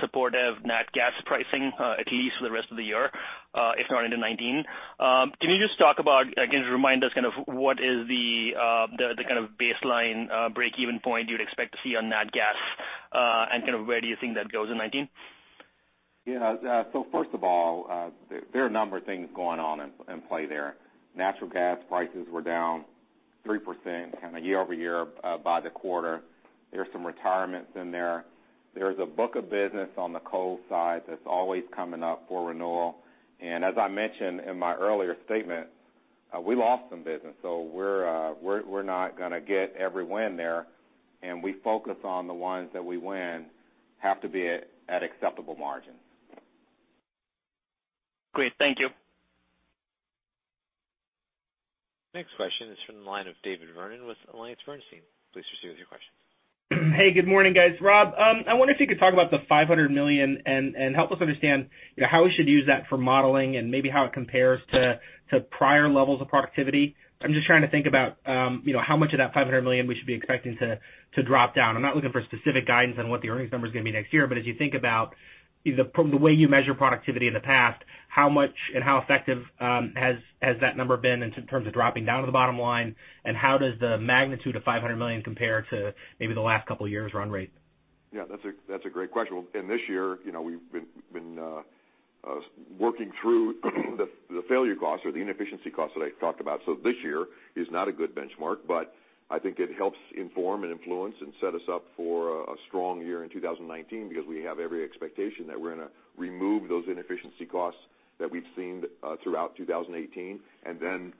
supportive nat gas pricing, at least for the rest of the year, if not into 2019. Can you just talk about, again, to remind us what is the kind of baseline break-even point you'd expect to see on nat gas? Where do you think that goes in 2019? Yeah. First of all, there are a number of things going on in play there. Natural gas prices were down 3% year-over-year by the quarter. There's some retirements in there. There's a book of business on the coal side that's always coming up for renewal. As I mentioned in my earlier statement, we lost some business, so we're not gonna get every win there, and we focus on the ones that we win have to be at acceptable margins. Great. Thank you. Next question is from the line of David Vernon with AllianceBernstein. Please proceed with your question. Good morning, guys. Rob, I wonder if you could talk about the $500 million and help us understand how we should use that for modeling and maybe how it compares to prior levels of productivity. I'm just trying to think about how much of that $500 million we should be expecting to drop down. I'm not looking for specific guidance on what the earnings number is going to be next year, but as you think about from the way you measure productivity in the past, how much and how effective has that number been in terms of dropping down to the bottom line, and how does the magnitude of $500 million compare to maybe the last couple of years' run rate? That's a great question. In this year, we've been working through the failure costs or the inefficiency costs that I talked about. This year is not a good benchmark, but I think it helps inform and influence and set us up for a strong year in 2019 because we have every expectation that we're going to remove those inefficiency costs that we've seen throughout 2018, and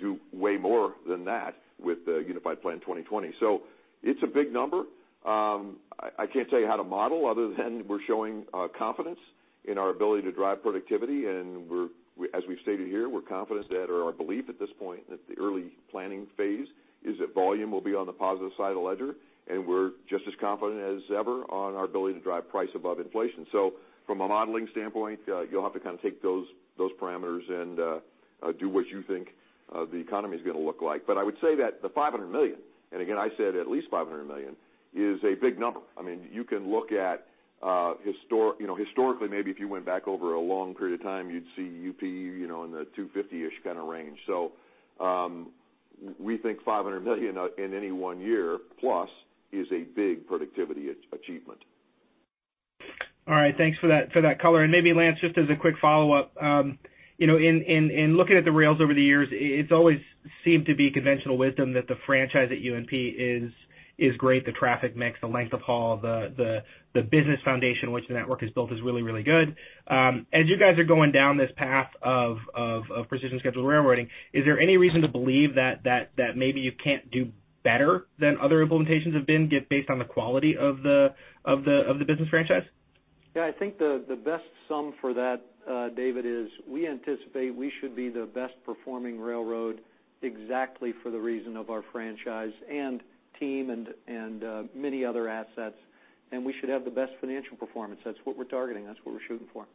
do way more than that with Unified Plan 2020. It's a big number. I can't tell you how to model other than we're showing confidence in our ability to drive productivity, and as we've stated here, we're confident that or our belief at this point, at the early planning phase, is that volume will be on the positive side of the ledger, and we're just as confident as ever on our ability to drive price above inflation. From a modeling standpoint, you'll have to take those parameters and do what you think the economy is going to look like. I would say that the $500 million, and again, I said at least $500 million, is a big number. I mean, you can look at historically, maybe if you went back over a long period of time, you'd see UP in the 250-ish kind of range. We think $500 million in any one year plus is a big productivity achievement. All right. Thanks for that color. Maybe Lance, just as a quick follow-up. In looking at the rails over the years, it's always seemed to be conventional wisdom that the franchise at UNP is great, the traffic mix, the length of haul, the business foundation which the network has built is really, really good. As you guys are going down this path of Precision Scheduled Railroading. Is there any reason to believe that maybe you can't do better than other implementations have been based on the quality of the business franchise? I think the best sum for that, David, is we anticipate we should be the best performing railroad exactly for the reason of our franchise and team and many other assets. We should have the best financial performance. That's what we're targeting. That's what we're shooting for.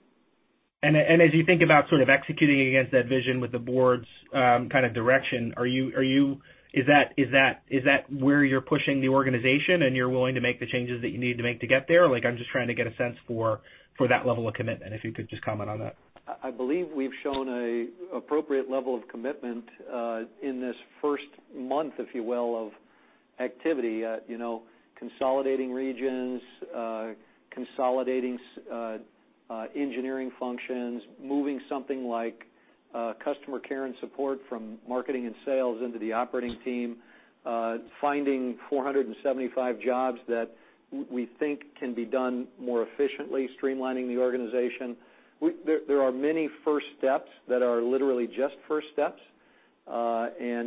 As you think about sort of executing against that vision with the board's kind of direction, is that where you're pushing the organization, and you're willing to make the changes that you need to make to get there? I'm just trying to get a sense for that level of commitment, if you could just comment on that. I believe we've shown an appropriate level of commitment, in this first month, if you will, of activity. Consolidating regions, consolidating engineering functions, moving something like customer care and support from marketing and sales into the operating team, finding 475 jobs that we think can be done more efficiently, streamlining the organization. There are many first steps that are literally just first steps.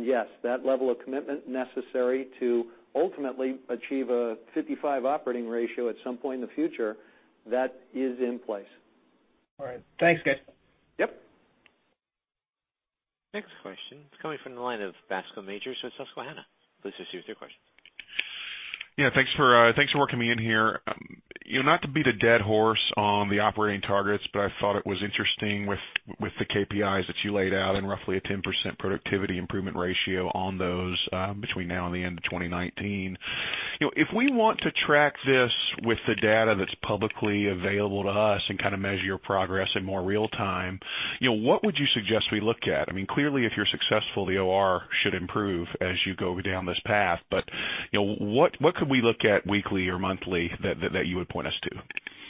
Yes, that level of commitment necessary to ultimately achieve a 55 operating ratio at some point in the future, that is in place. All right. Thanks, guys. Yep. Next question is coming from the line of Bascome Majors, Susquehanna. Please proceed with your question. Yeah. Thanks for working me in here. Not to beat a dead horse on the operating targets, I thought it was interesting with the KPIs that you laid out and roughly a 10% productivity improvement ratio on those, between now and the end of 2019. If we want to track this with the data that's publicly available to us and kind of measure your progress in more real-time, what would you suggest we look at? Clearly, if you're successful, the OR should improve as you go down this path. What could we look at weekly or monthly that you would point us to?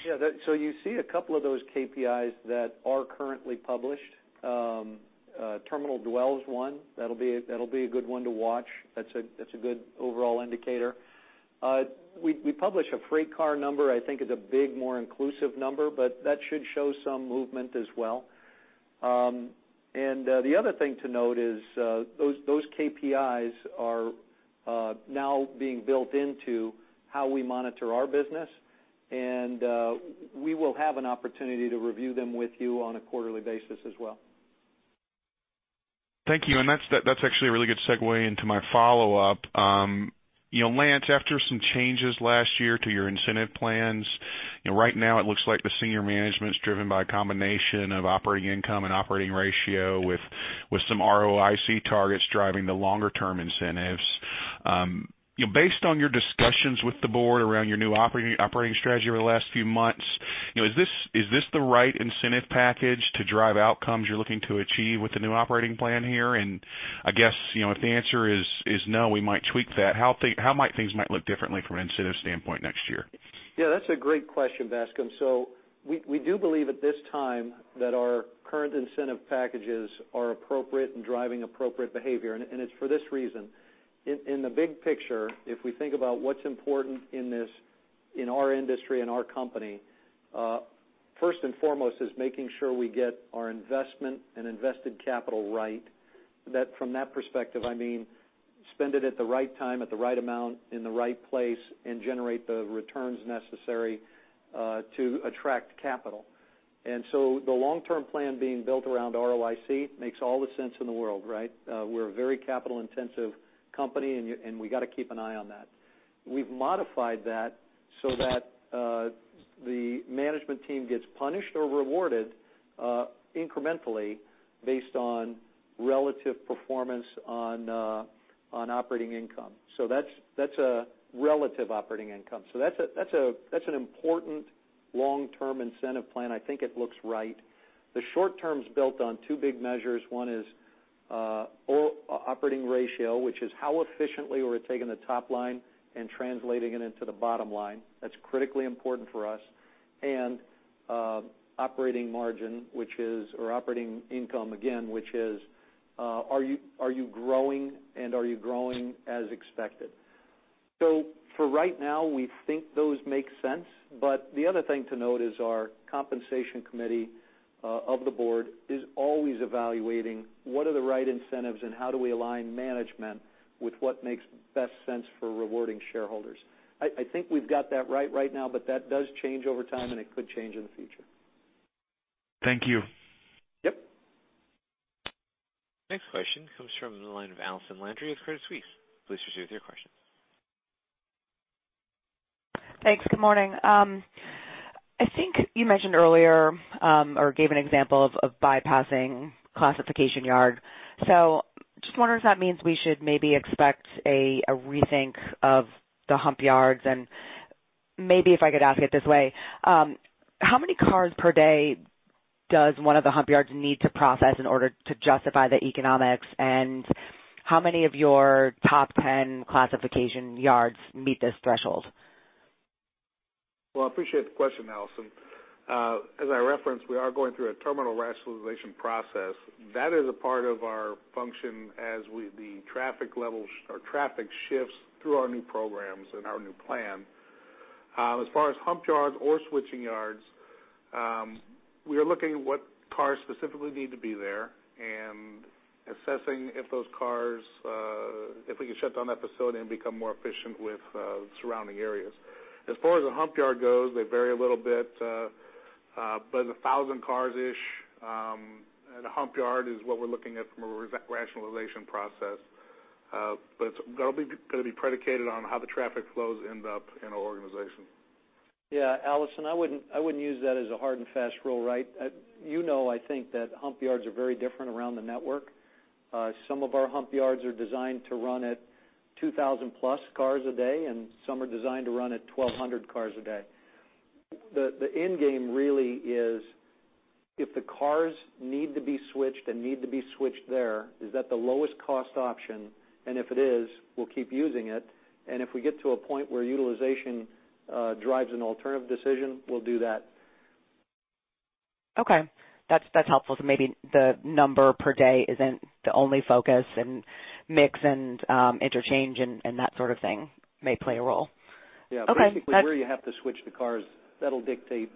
Yeah. You see a couple of those KPIs that are currently published. Terminal dwell is one. That'll be a good one to watch. That's a good overall indicator. We publish a freight car number, I think it's a big, more inclusive number, but that should show some movement as well. The other thing to note is, those KPIs are now being built into how we monitor our business. We will have an opportunity to review them with you on a quarterly basis as well. Thank you, that's actually a really good segue into my follow-up. Lance, after some changes last year to your incentive plans, right now it looks like the senior management's driven by a combination of operating income and operating ratio with some ROIC targets driving the longer-term incentives. Based on your discussions with the board around your new operating strategy over the last few months, is this the right incentive package to drive outcomes you're looking to achieve with the new operating plan here? I guess, if the answer is no, we might tweak that. How might things might look differently from an incentive standpoint next year? Yeah, that's a great question, Bascome. We do believe at this time that our current incentive packages are appropriate and driving appropriate behavior, and it's for this reason. In the big picture, if we think about what's important in our industry and our company, first and foremost is making sure we get our investment and invested capital right. From that perspective, I mean, spend it at the right time, at the right amount, in the right place, and generate the returns necessary to attract capital. The long-term plan being built around ROIC makes all the sense in the world, right? We're a very capital-intensive company, and we got to keep an eye on that. We've modified that so that the management team gets punished or rewarded incrementally based on relative performance on operating income. That's a relative operating income. That's an important long-term incentive plan. I think it looks right. The short-term is built on two big measures. One is operating ratio, which is how efficiently we're taking the top line and translating it into the bottom line. That's critically important for us. Operating margin, or operating income, again, which is are you growing, and are you growing as expected? For right now, we think those make sense. The other thing to note is our compensation committee of the board is always evaluating what are the right incentives and how do we align management with what makes best sense for rewarding shareholders. I think we've got that right right now, but that does change over time, and it could change in the future. Thank you. Yep. Next question comes from the line of Allison Landry of Credit Suisse. Please proceed with your question. Thanks. Good morning. I think you mentioned earlier, or gave an example of bypassing classification yard. Just wondering if that means we should maybe expect a rethink of the hump yards and maybe if I could ask it this way, how many cars per day does one of the hump yards need to process in order to justify the economics, and how many of your top 10 classification yards meet this threshold? Well, I appreciate the question, Allison. As I referenced, we are going through a terminal rationalization process. That is a part of our function as the traffic levels or traffic shifts through our new programs and our new plan. As far as hump yards or switching yards, we are looking at what cars specifically need to be there and assessing if we can shut down that facility and become more efficient with surrounding areas. As far as the hump yard goes, they vary a little bit, but 1,000 cars-ish at a hump yard is what we're looking at from a rationalization process. It's going to be predicated on how the traffic flows end up in our organization. Yeah, Allison, I wouldn't use that as a hard and fast rule right. You know I think that hump yards are very different around the network. Some of our hump yards are designed to run at 2,000-plus cars a day, and some are designed to run at 1,200 cars a day. The end game really is if the cars need to be switched and need to be switched there, is that the lowest cost option? If it is, we'll keep using it. If we get to a point where utilization drives an alternative decision, we'll do that. Okay. That's helpful. Maybe the number per day isn't the only focus, and mix and interchange and that sort of thing may play a role. Yeah. Okay, that's- Basically, where you have to switch the cars, that'll dictate.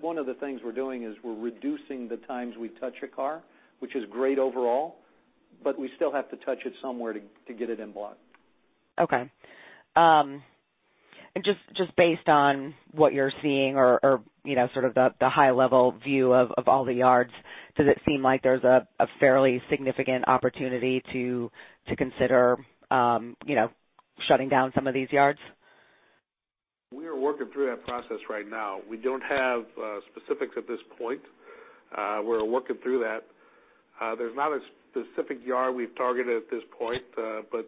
One of the things we're doing is we're reducing the times we touch a car, which is great overall, but we still have to touch it somewhere to get it in block. Okay. Just based on what you're seeing or the high level view of all the yards, does it seem like there's a fairly significant opportunity to consider shutting down some of these yards? We are working through that process right now. We don't have specifics at this point. We're working through that. There's not a specific yard we've targeted at this point, but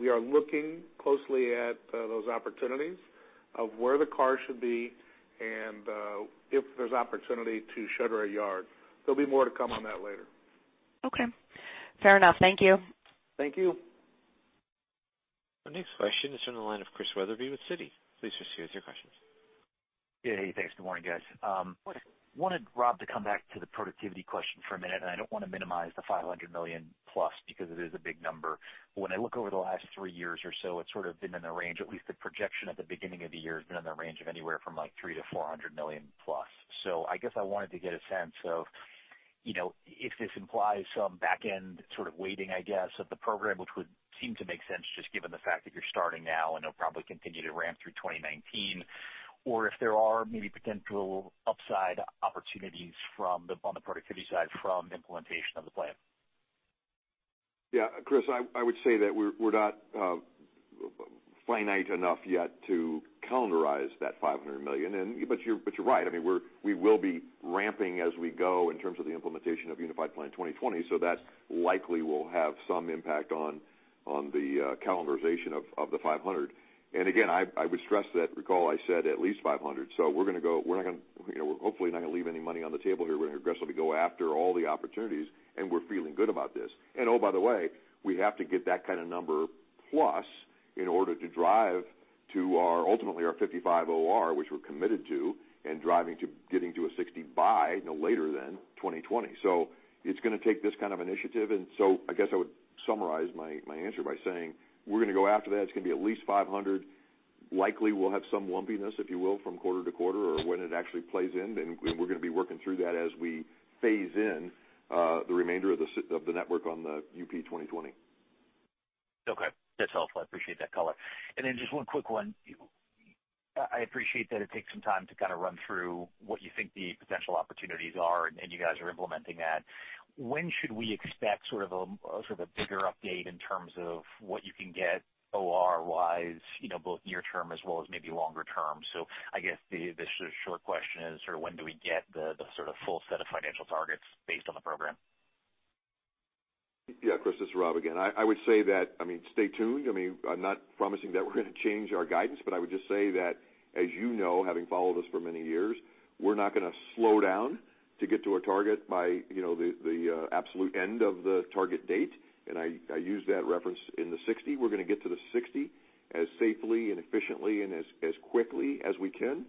we are looking closely at those opportunities of where the cars should be and if there's opportunity to shutter a yard. There'll be more to come on that later. Okay. Fair enough. Thank you. Thank you. Our next question is from the line of Chris Wetherbee with Citi. Please proceed with your questions. Yeah. Hey, thanks. Good morning, guys. Morning. Wanted Rob to come back to the productivity question for a minute. I don't want to minimize the $500 million plus because it is a big number. When I look over the last three years or so, it's sort of been in the range, at least the projection at the beginning of the year, has been in the range of anywhere from like $300 million-$400 million plus. I guess I wanted to get a sense of, if this implies some back end sort of weighting, I guess, of the program, which would seem to make sense just given the fact that you're starting now and it'll probably continue to ramp through 2019, or if there are maybe potential upside opportunities on the productivity side from the implementation of the plan. Yeah, Chris, I would say that we're not finite enough yet to calendarize that $500 million. You're right. We will be ramping as we go in terms of the implementation of Unified Plan 2020, so that likely will have some impact on the calendarization of the $500. Again, I would stress that, recall, I said at least $500. We're hopefully not going to leave any money on the table here. We're going to aggressively go after all the opportunities, and we're feeling good about this. Oh, by the way, we have to get that kind of number plus in order to drive to ultimately our 55 OR, which we're committed to, and driving to getting to a 60 by, no later than 2020. It's going to take this kind of initiative. I guess I would summarize my answer by saying we're going to go after that. It's going to be at least $500. Likely, we'll have some lumpiness, if you will, from quarter to quarter or when it actually plays in. We're going to be working through that as we phase in the remainder of the network on the UP 2020. Okay. That's helpful. I appreciate that color. Just one quick one. I appreciate that it takes some time to run through what you think the potential opportunities are, and you guys are implementing that. When should we expect a bigger update in terms of what you can get OR-wise, both near term as well as maybe longer term? I guess the short question is when do we get the full set of financial targets based on the program? Yeah, Chris, this is Rob again. I would say stay tuned. I'm not promising that we're going to change our guidance, but I would just say that, as you know, having followed us for many years, we're not going to slow down to get to our target by the absolute end of the target date, and I use that reference in the 60. We're going to get to the 60 as safely and efficiently and as quickly as we can.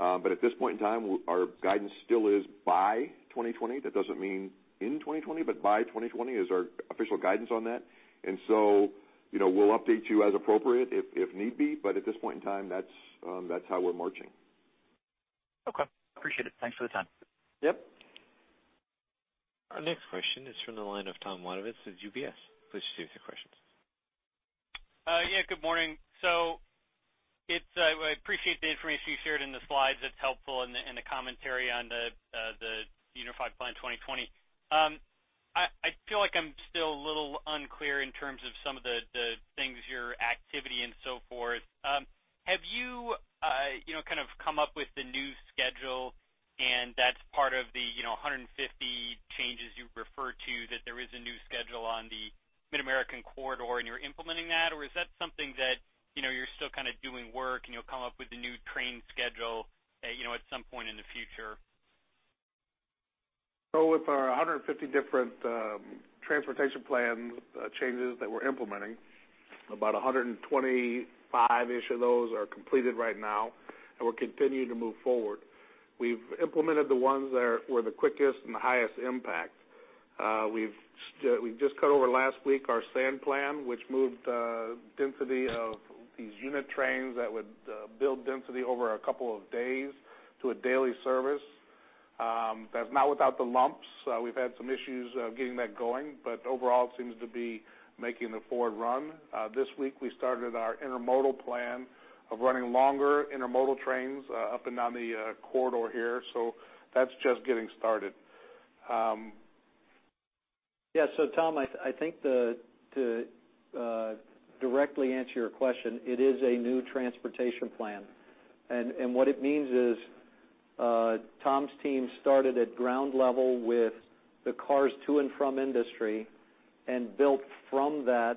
At this point in time, our guidance still is by 2020. That doesn't mean in 2020, but by 2020 is our official guidance on that. We'll update you as appropriate if need be, but at this point in time, that's how we're marching. Okay. Appreciate it. Thanks for the time. Yep. Our next question is from the line of Tom Wadewitz at UBS. Please proceed with your questions. Good morning. I appreciate the information you shared in the slides, that's helpful, and the commentary on the Unified Plan 2020. I feel like I'm still a little unclear in terms of some of the things, your activity and so forth. Have you come up with the new schedule and that's part of the 150 changes you refer to, that there is a new schedule on the Mid-America Corridor, and you're implementing that? Is that something that you're still doing work and you'll come up with a new train schedule at some point in the future? With our 150 different transportation plan changes that we're implementing, about 125-ish of those are completed right now, and we're continuing to move forward. We've implemented the ones that were the quickest and the highest impact. We've just cut over last week our sand plan, which moved density of these unit trains that would build density over a couple of days to a daily service. That's not without the lumps. We've had some issues getting that going, overall, it seems to be making the forward run. This week, we started our intermodal plan of running longer intermodal trains up and down the corridor here. That's just getting started. Tom, I think to directly answer your question, it is a new transportation plan. What it means is Tom's team started at ground level with the cars to and from industry and built from that,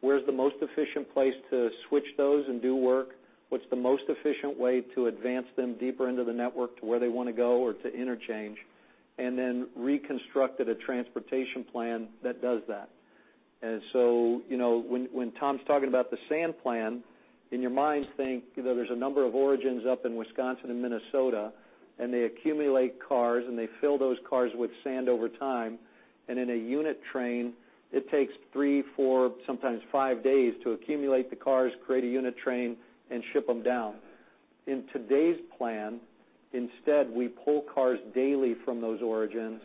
where's the most efficient place to switch those and do work, what's the most efficient way to advance them deeper into the network to where they want to go or to interchange, and then reconstructed a transportation plan that does that. When Tom's talking about the sand plan, in your minds think, there's a number of origins up in Wisconsin and Minnesota, and they accumulate cars, and they fill those cars with sand over time. In a unit train, it takes three, four, sometimes five days to accumulate the cars, create a unit train, and ship them down. In today's plan, instead, we pull cars daily from those origins.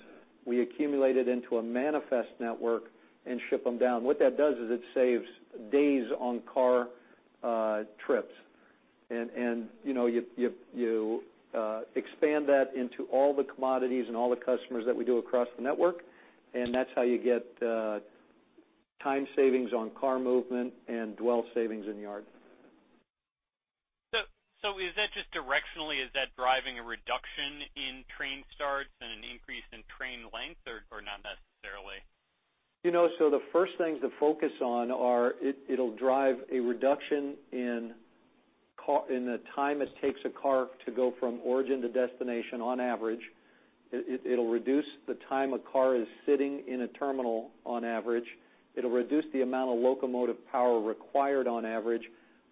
We accumulate it into a manifest network and ship them down. What that does is it saves days on car trips. You expand that into all the commodities and all the customers that we do across the network, and that's how you get time savings on car movement and dwell savings in the yard. Is that just directionally, is that driving a reduction in train starts and an increase in train length, or not necessarily? The first things to focus on are it'll drive a reduction in the time it takes a car to go from origin to destination on average. It'll reduce the time a car is sitting in a terminal on average. It'll reduce the amount of locomotive power required on average.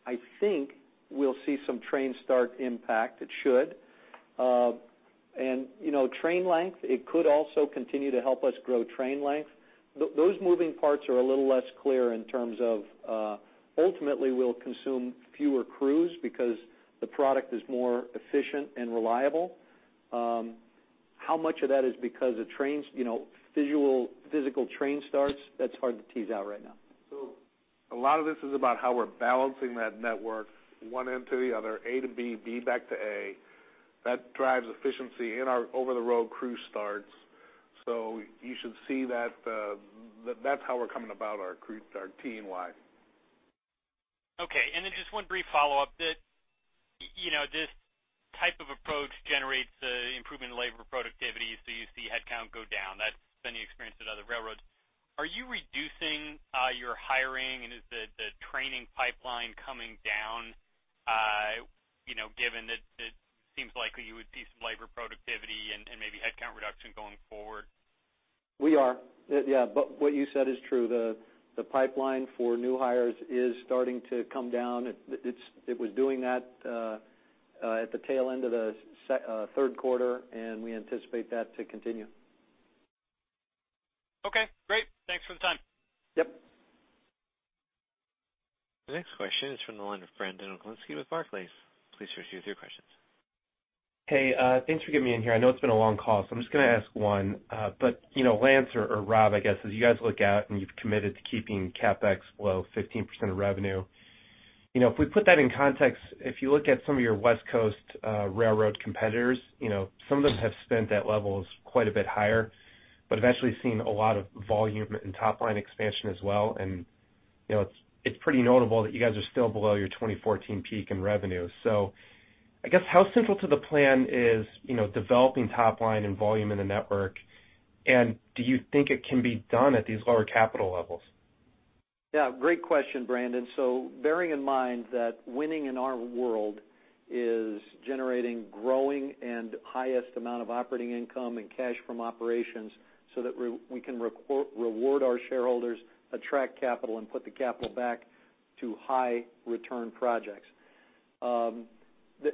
I think we'll see some train start impact. It should. Train length, it could also continue to help us grow train length. Those moving parts are a little less clear in terms of, ultimately, we'll consume fewer crews because the product is more efficient and reliable. How much of that is because of physical train starts, that's hard to tease out right now. A lot of this is about how we're balancing that network one end to the other, A to B back to A. That drives efficiency in our over-the-road crew starts. You should see that that's how we're coming about our team-wide. Okay. Just one brief follow-up that this type of approach generates improvement in labor productivity, so you see headcount go down. That's been the experience at other railroads. Are you reducing your hiring, and is the training pipeline coming down given that it seems likely you would see some labor productivity and maybe headcount reduction going forward? We are. Yeah. What you said is true. The pipeline for new hires is starting to come down. It was doing that at the tail end of the third quarter, and we anticipate that to continue. Okay, great. Thanks for the time. Yep. The next question is from the line of Brandon Oglenski with Barclays. Please proceed with your questions. Hey, thanks for getting me in here. I know it's been a long call, so I'm just going to ask one. Lance or Rob, I guess, as you guys look out and you've committed to keeping CapEx below 15% of revenue, if we put that in context, if you look at some of your West Coast railroad competitors, some of them have spent at levels quite a bit higher, but eventually seen a lot of volume and top-line expansion as well, and it's pretty notable that you guys are still below your 2014 peak in revenue. I guess how central to the plan is developing top line and volume in the network, and do you think it can be done at these lower capital levels? Yeah, great question, Brandon. Bearing in mind that winning in our world is generating growing and highest amount of operating income and cash from operations so that we can reward our shareholders, attract capital, and put the capital back to high return projects.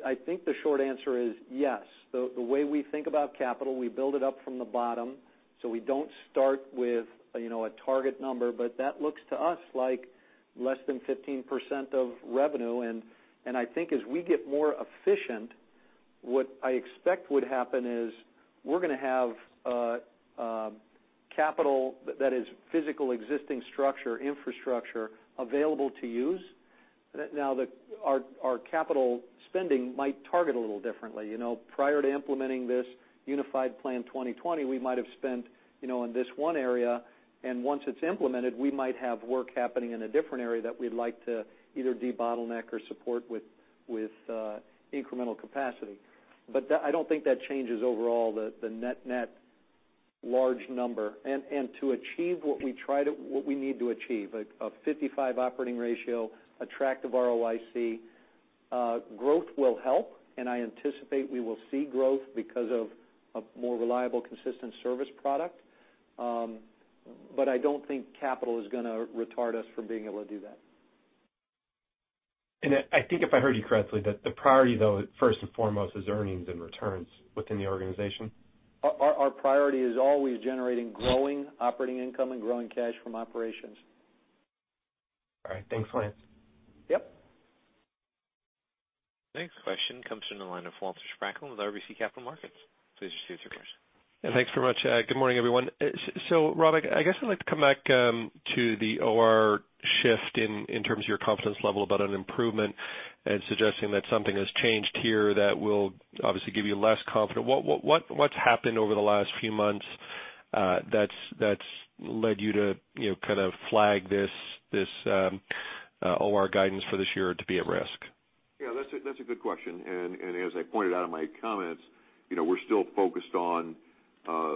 I think the short answer is yes. The way we think about capital, we build it up from the bottom, so we don't start with a target number, but that looks to us like less than 15% of revenue. I think as we get more efficient, what I expect would happen is we're going to have capital that is physical existing structure, infrastructure available to use. Now our capital spending might target a little differently. Prior to implementing this Unified Plan 2020, we might have spent in this one area, and once it's implemented, we might have work happening in a different area that we'd like to either debottleneck or support with incremental capacity. I don't think that changes overall the net large number. To achieve what we need to achieve, a 55 operating ratio, attractive ROIC, growth will help, and I anticipate we will see growth because of a more reliable, consistent service product. I don't think capital is going to retard us from being able to do that. I think if I heard you correctly, that the priority though, first and foremost, is earnings and returns within the organization. Our priority is always generating growing operating income and growing cash from operations. All right. Thanks, Lance. Yep. Next question comes from the line of Walter Spracklin with RBC Capital Markets. Please proceed with your question. Thanks very much. Good morning, everyone. Rob, I guess I'd like to come back to the OR shift in terms of your confidence level about an improvement and suggesting that something has changed here that will obviously give you less confidence. What's happened over the last few months that's led you to flag this OR guidance for this year to be at risk? Yeah, that's a good question. As I pointed out in my comments, we're still focused on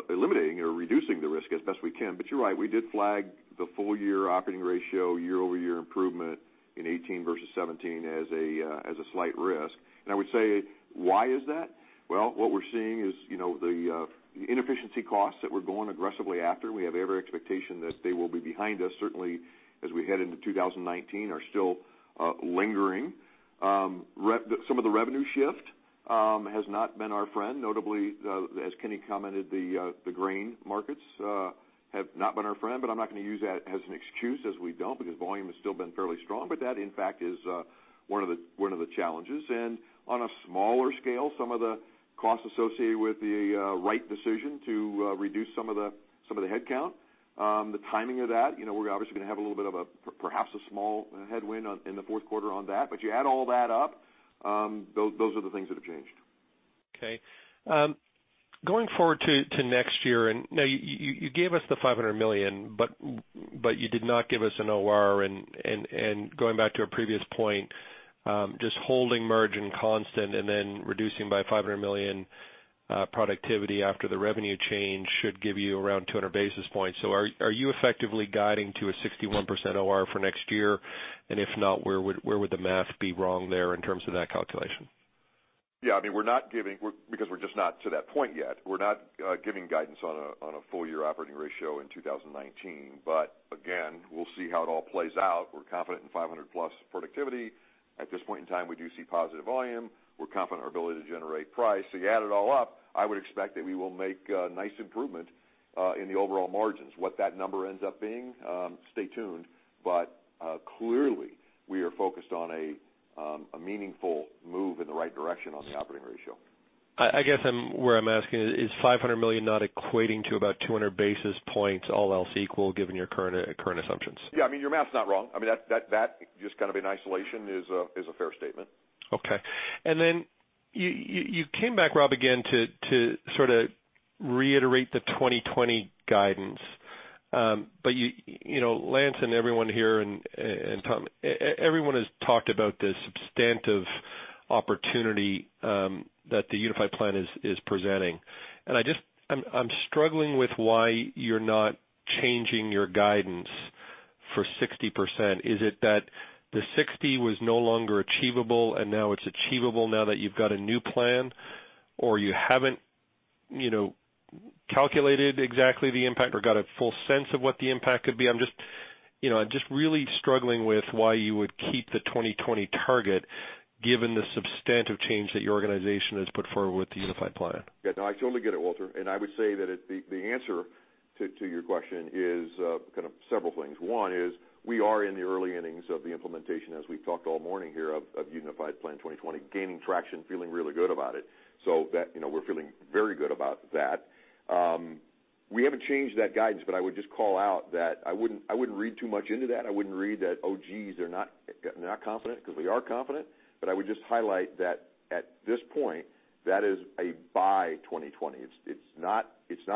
eliminating or reducing the risk as best we can. You're right, we did flag the full year operating ratio year-over-year improvement in 2018 versus 2017 as a slight risk. I would say, why is that? Well, what we're seeing is the inefficiency costs that we're going aggressively after, we have every expectation that they will be behind us, certainly as we head into 2019, are still lingering. Some of the revenue shift has not been our friend, notably, as Kenny commented, the grain markets have not been our friend. I'm not going to use that as an excuse, as we don't, because volume has still been fairly strong. That in fact is one of the challenges. On a smaller scale, some of the costs associated with the right decision to reduce some of the headcount, the timing of that, we're obviously going to have a little bit of a, perhaps a small headwind in the fourth quarter on that. You add all that up, those are the things that have changed. Okay. Going forward to next year, now you gave us the $500 million. You did not give us an OR, going back to a previous point, just holding margin constant and then reducing by $500 million productivity after the revenue change should give you around 200 basis points. Are you effectively guiding to a 61% OR for next year? If not, where would the math be wrong there in terms of that calculation? Yeah, we're not giving, because we're just not to that point yet. We're not giving guidance on a full year operating ratio in 2019. Again, we'll see how it all plays out. We're confident in $500-plus productivity. At this point in time, we do see positive volume. We're confident in our ability to generate price. You add it all up, I would expect that we will make a nice improvement in the overall margins. What that number ends up being, stay tuned. Clearly, we are focused on a meaningful move in the right direction on the operating ratio. I guess where I'm asking is $500 million not equating to about 200 basis points, all else equal, given your current assumptions? Yeah. Your math's not wrong. That just kind of in isolation is a fair statement. Okay. Then you came back, Rob, again, to sort of reiterate the 2020 guidance. Lance and everyone here, and Tom, everyone has talked about the substantive opportunity that the Unified Plan is presenting. I'm struggling with why you're not changing your guidance for 60%. Is it that the 60 was no longer achievable and now it's achievable now that you've got a new plan? You haven't calculated exactly the impact or got a full sense of what the impact could be? I'm just really struggling with why you would keep the 2020 target given the substantive change that your organization has put forward with the Unified Plan. Yeah, no, I totally get it, Walter. I would say that the answer to your question is kind of several things. One is we are in the early innings of the implementation, as we've talked all morning here, of Unified Plan 2020, gaining traction, feeling really good about it. We're feeling very good about that. We haven't changed that guidance, I would just call out that I wouldn't read too much into that. I wouldn't read that, oh, geez, they're not confident, because we are confident. I would just highlight that at this point, that is a by 2020. It's not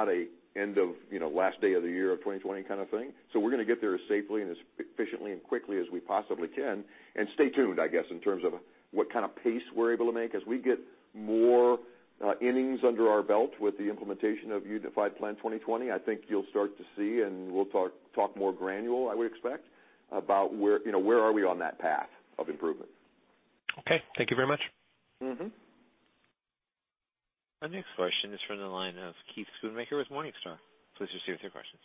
a end of last day of the year of 2020 kind of thing. We're going to get there as safely and as efficiently and quickly as we possibly can. Stay tuned, I guess, in terms of what kind of pace we're able to make. As we get more innings under our belt with the implementation of Unified Plan 2020, I think you'll start to see, and we'll talk more granular, I would expect, about where are we on that path of improvement. Okay. Thank you very much. Our next question is from the line of Keith Schoonmaker with Morningstar. Please proceed with your questions.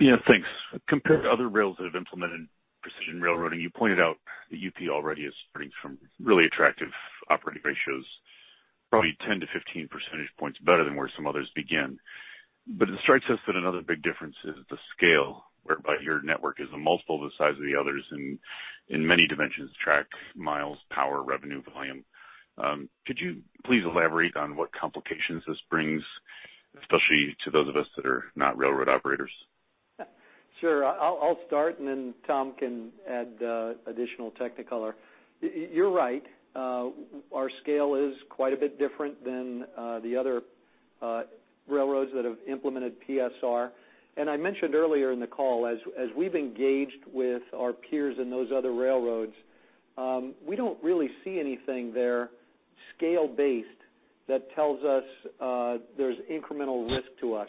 Yeah, thanks. Compared to other rails that have implemented Precision Railroading, you pointed out that UP already is starting from really attractive operating ratios, probably 10 to 15 percentage points better than where some others begin. It strikes us that another big difference is the scale, whereby your network is a multiple of the size of the others in many dimensions, track, miles, power, revenue, volume. Could you please elaborate on what complications this brings, especially to those of us that are not railroad operators? Sure. I'll start and then Tom can add additional technicolor. You're right. Our scale is quite a bit different than the other railroads that have implemented PSR. I mentioned earlier in the call, as we've engaged with our peers in those other railroads, we don't really see anything there scale-based that tells us there's incremental risk to us.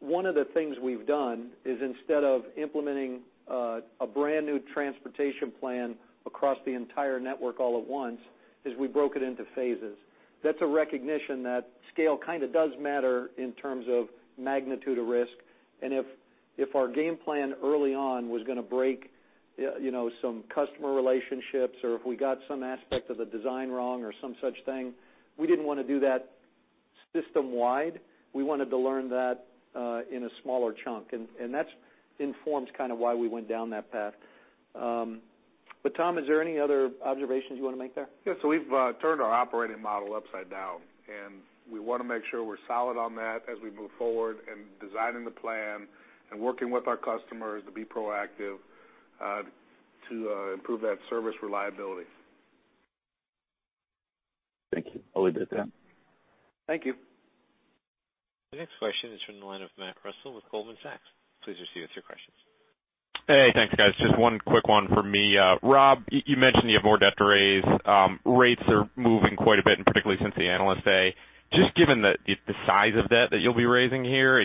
One of the things we've done is instead of implementing a brand new transportation plan across the entire network all at once, is we broke it into phases. That's a recognition that scale kind of does matter in terms of magnitude of risk, and if our game plan early on was going to break some customer relationships or if we got some aspect of the design wrong or some such thing, we didn't want to do that system-wide. We wanted to learn that in a smaller chunk. That informs kind of why we went down that path. Tom, is there any other observations you want to make there? Yeah. We've turned our operating model upside down. We want to make sure we're solid on that as we move forward in designing the plan and working with our customers to be proactive to improve that service reliability. Thank you. I'll leave it at that. Thank you. The next question is from the line of Matthew Russell with Goldman Sachs. Please proceed with your questions. Hey, thanks, guys. Just one quick one for me. Rob, you mentioned you have more debt to raise. Rates are moving quite a bit, particularly since the Analyst Day. Given the size of debt that you'll be raising here,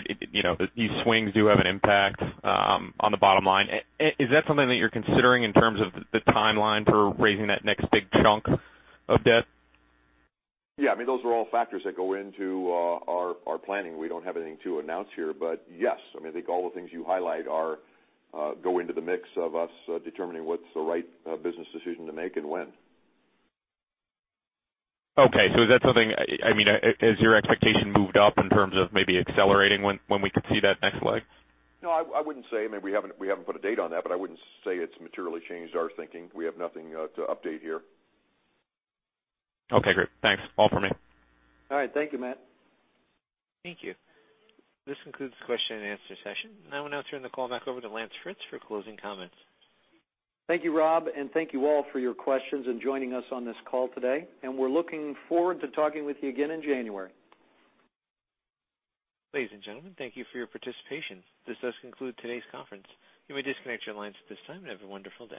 these swings do have an impact on the bottom line. Is that something that you're considering in terms of the timeline for raising that next big chunk of debt? Yeah, those are all factors that go into our planning. We don't have anything to announce here, but yes. I think all the things you highlight go into the mix of us determining what's the right business decision to make and when. Okay. Has your expectation moved up in terms of maybe accelerating when we could see that next leg? No, I wouldn't say. We haven't put a date on that, but I wouldn't say it's materially changed our thinking. We have nothing to update here. Okay, great. Thanks. All for me. All right. Thank you, Matt. Thank you. This concludes the question and answer session. I will now turn the call back over to Lance Fritz for closing comments. Thank you, Rob, and thank you all for your questions and joining us on this call today, and we're looking forward to talking with you again in January. Ladies and gentlemen, thank you for your participation. This does conclude today's conference. You may disconnect your lines at this time and have a wonderful day.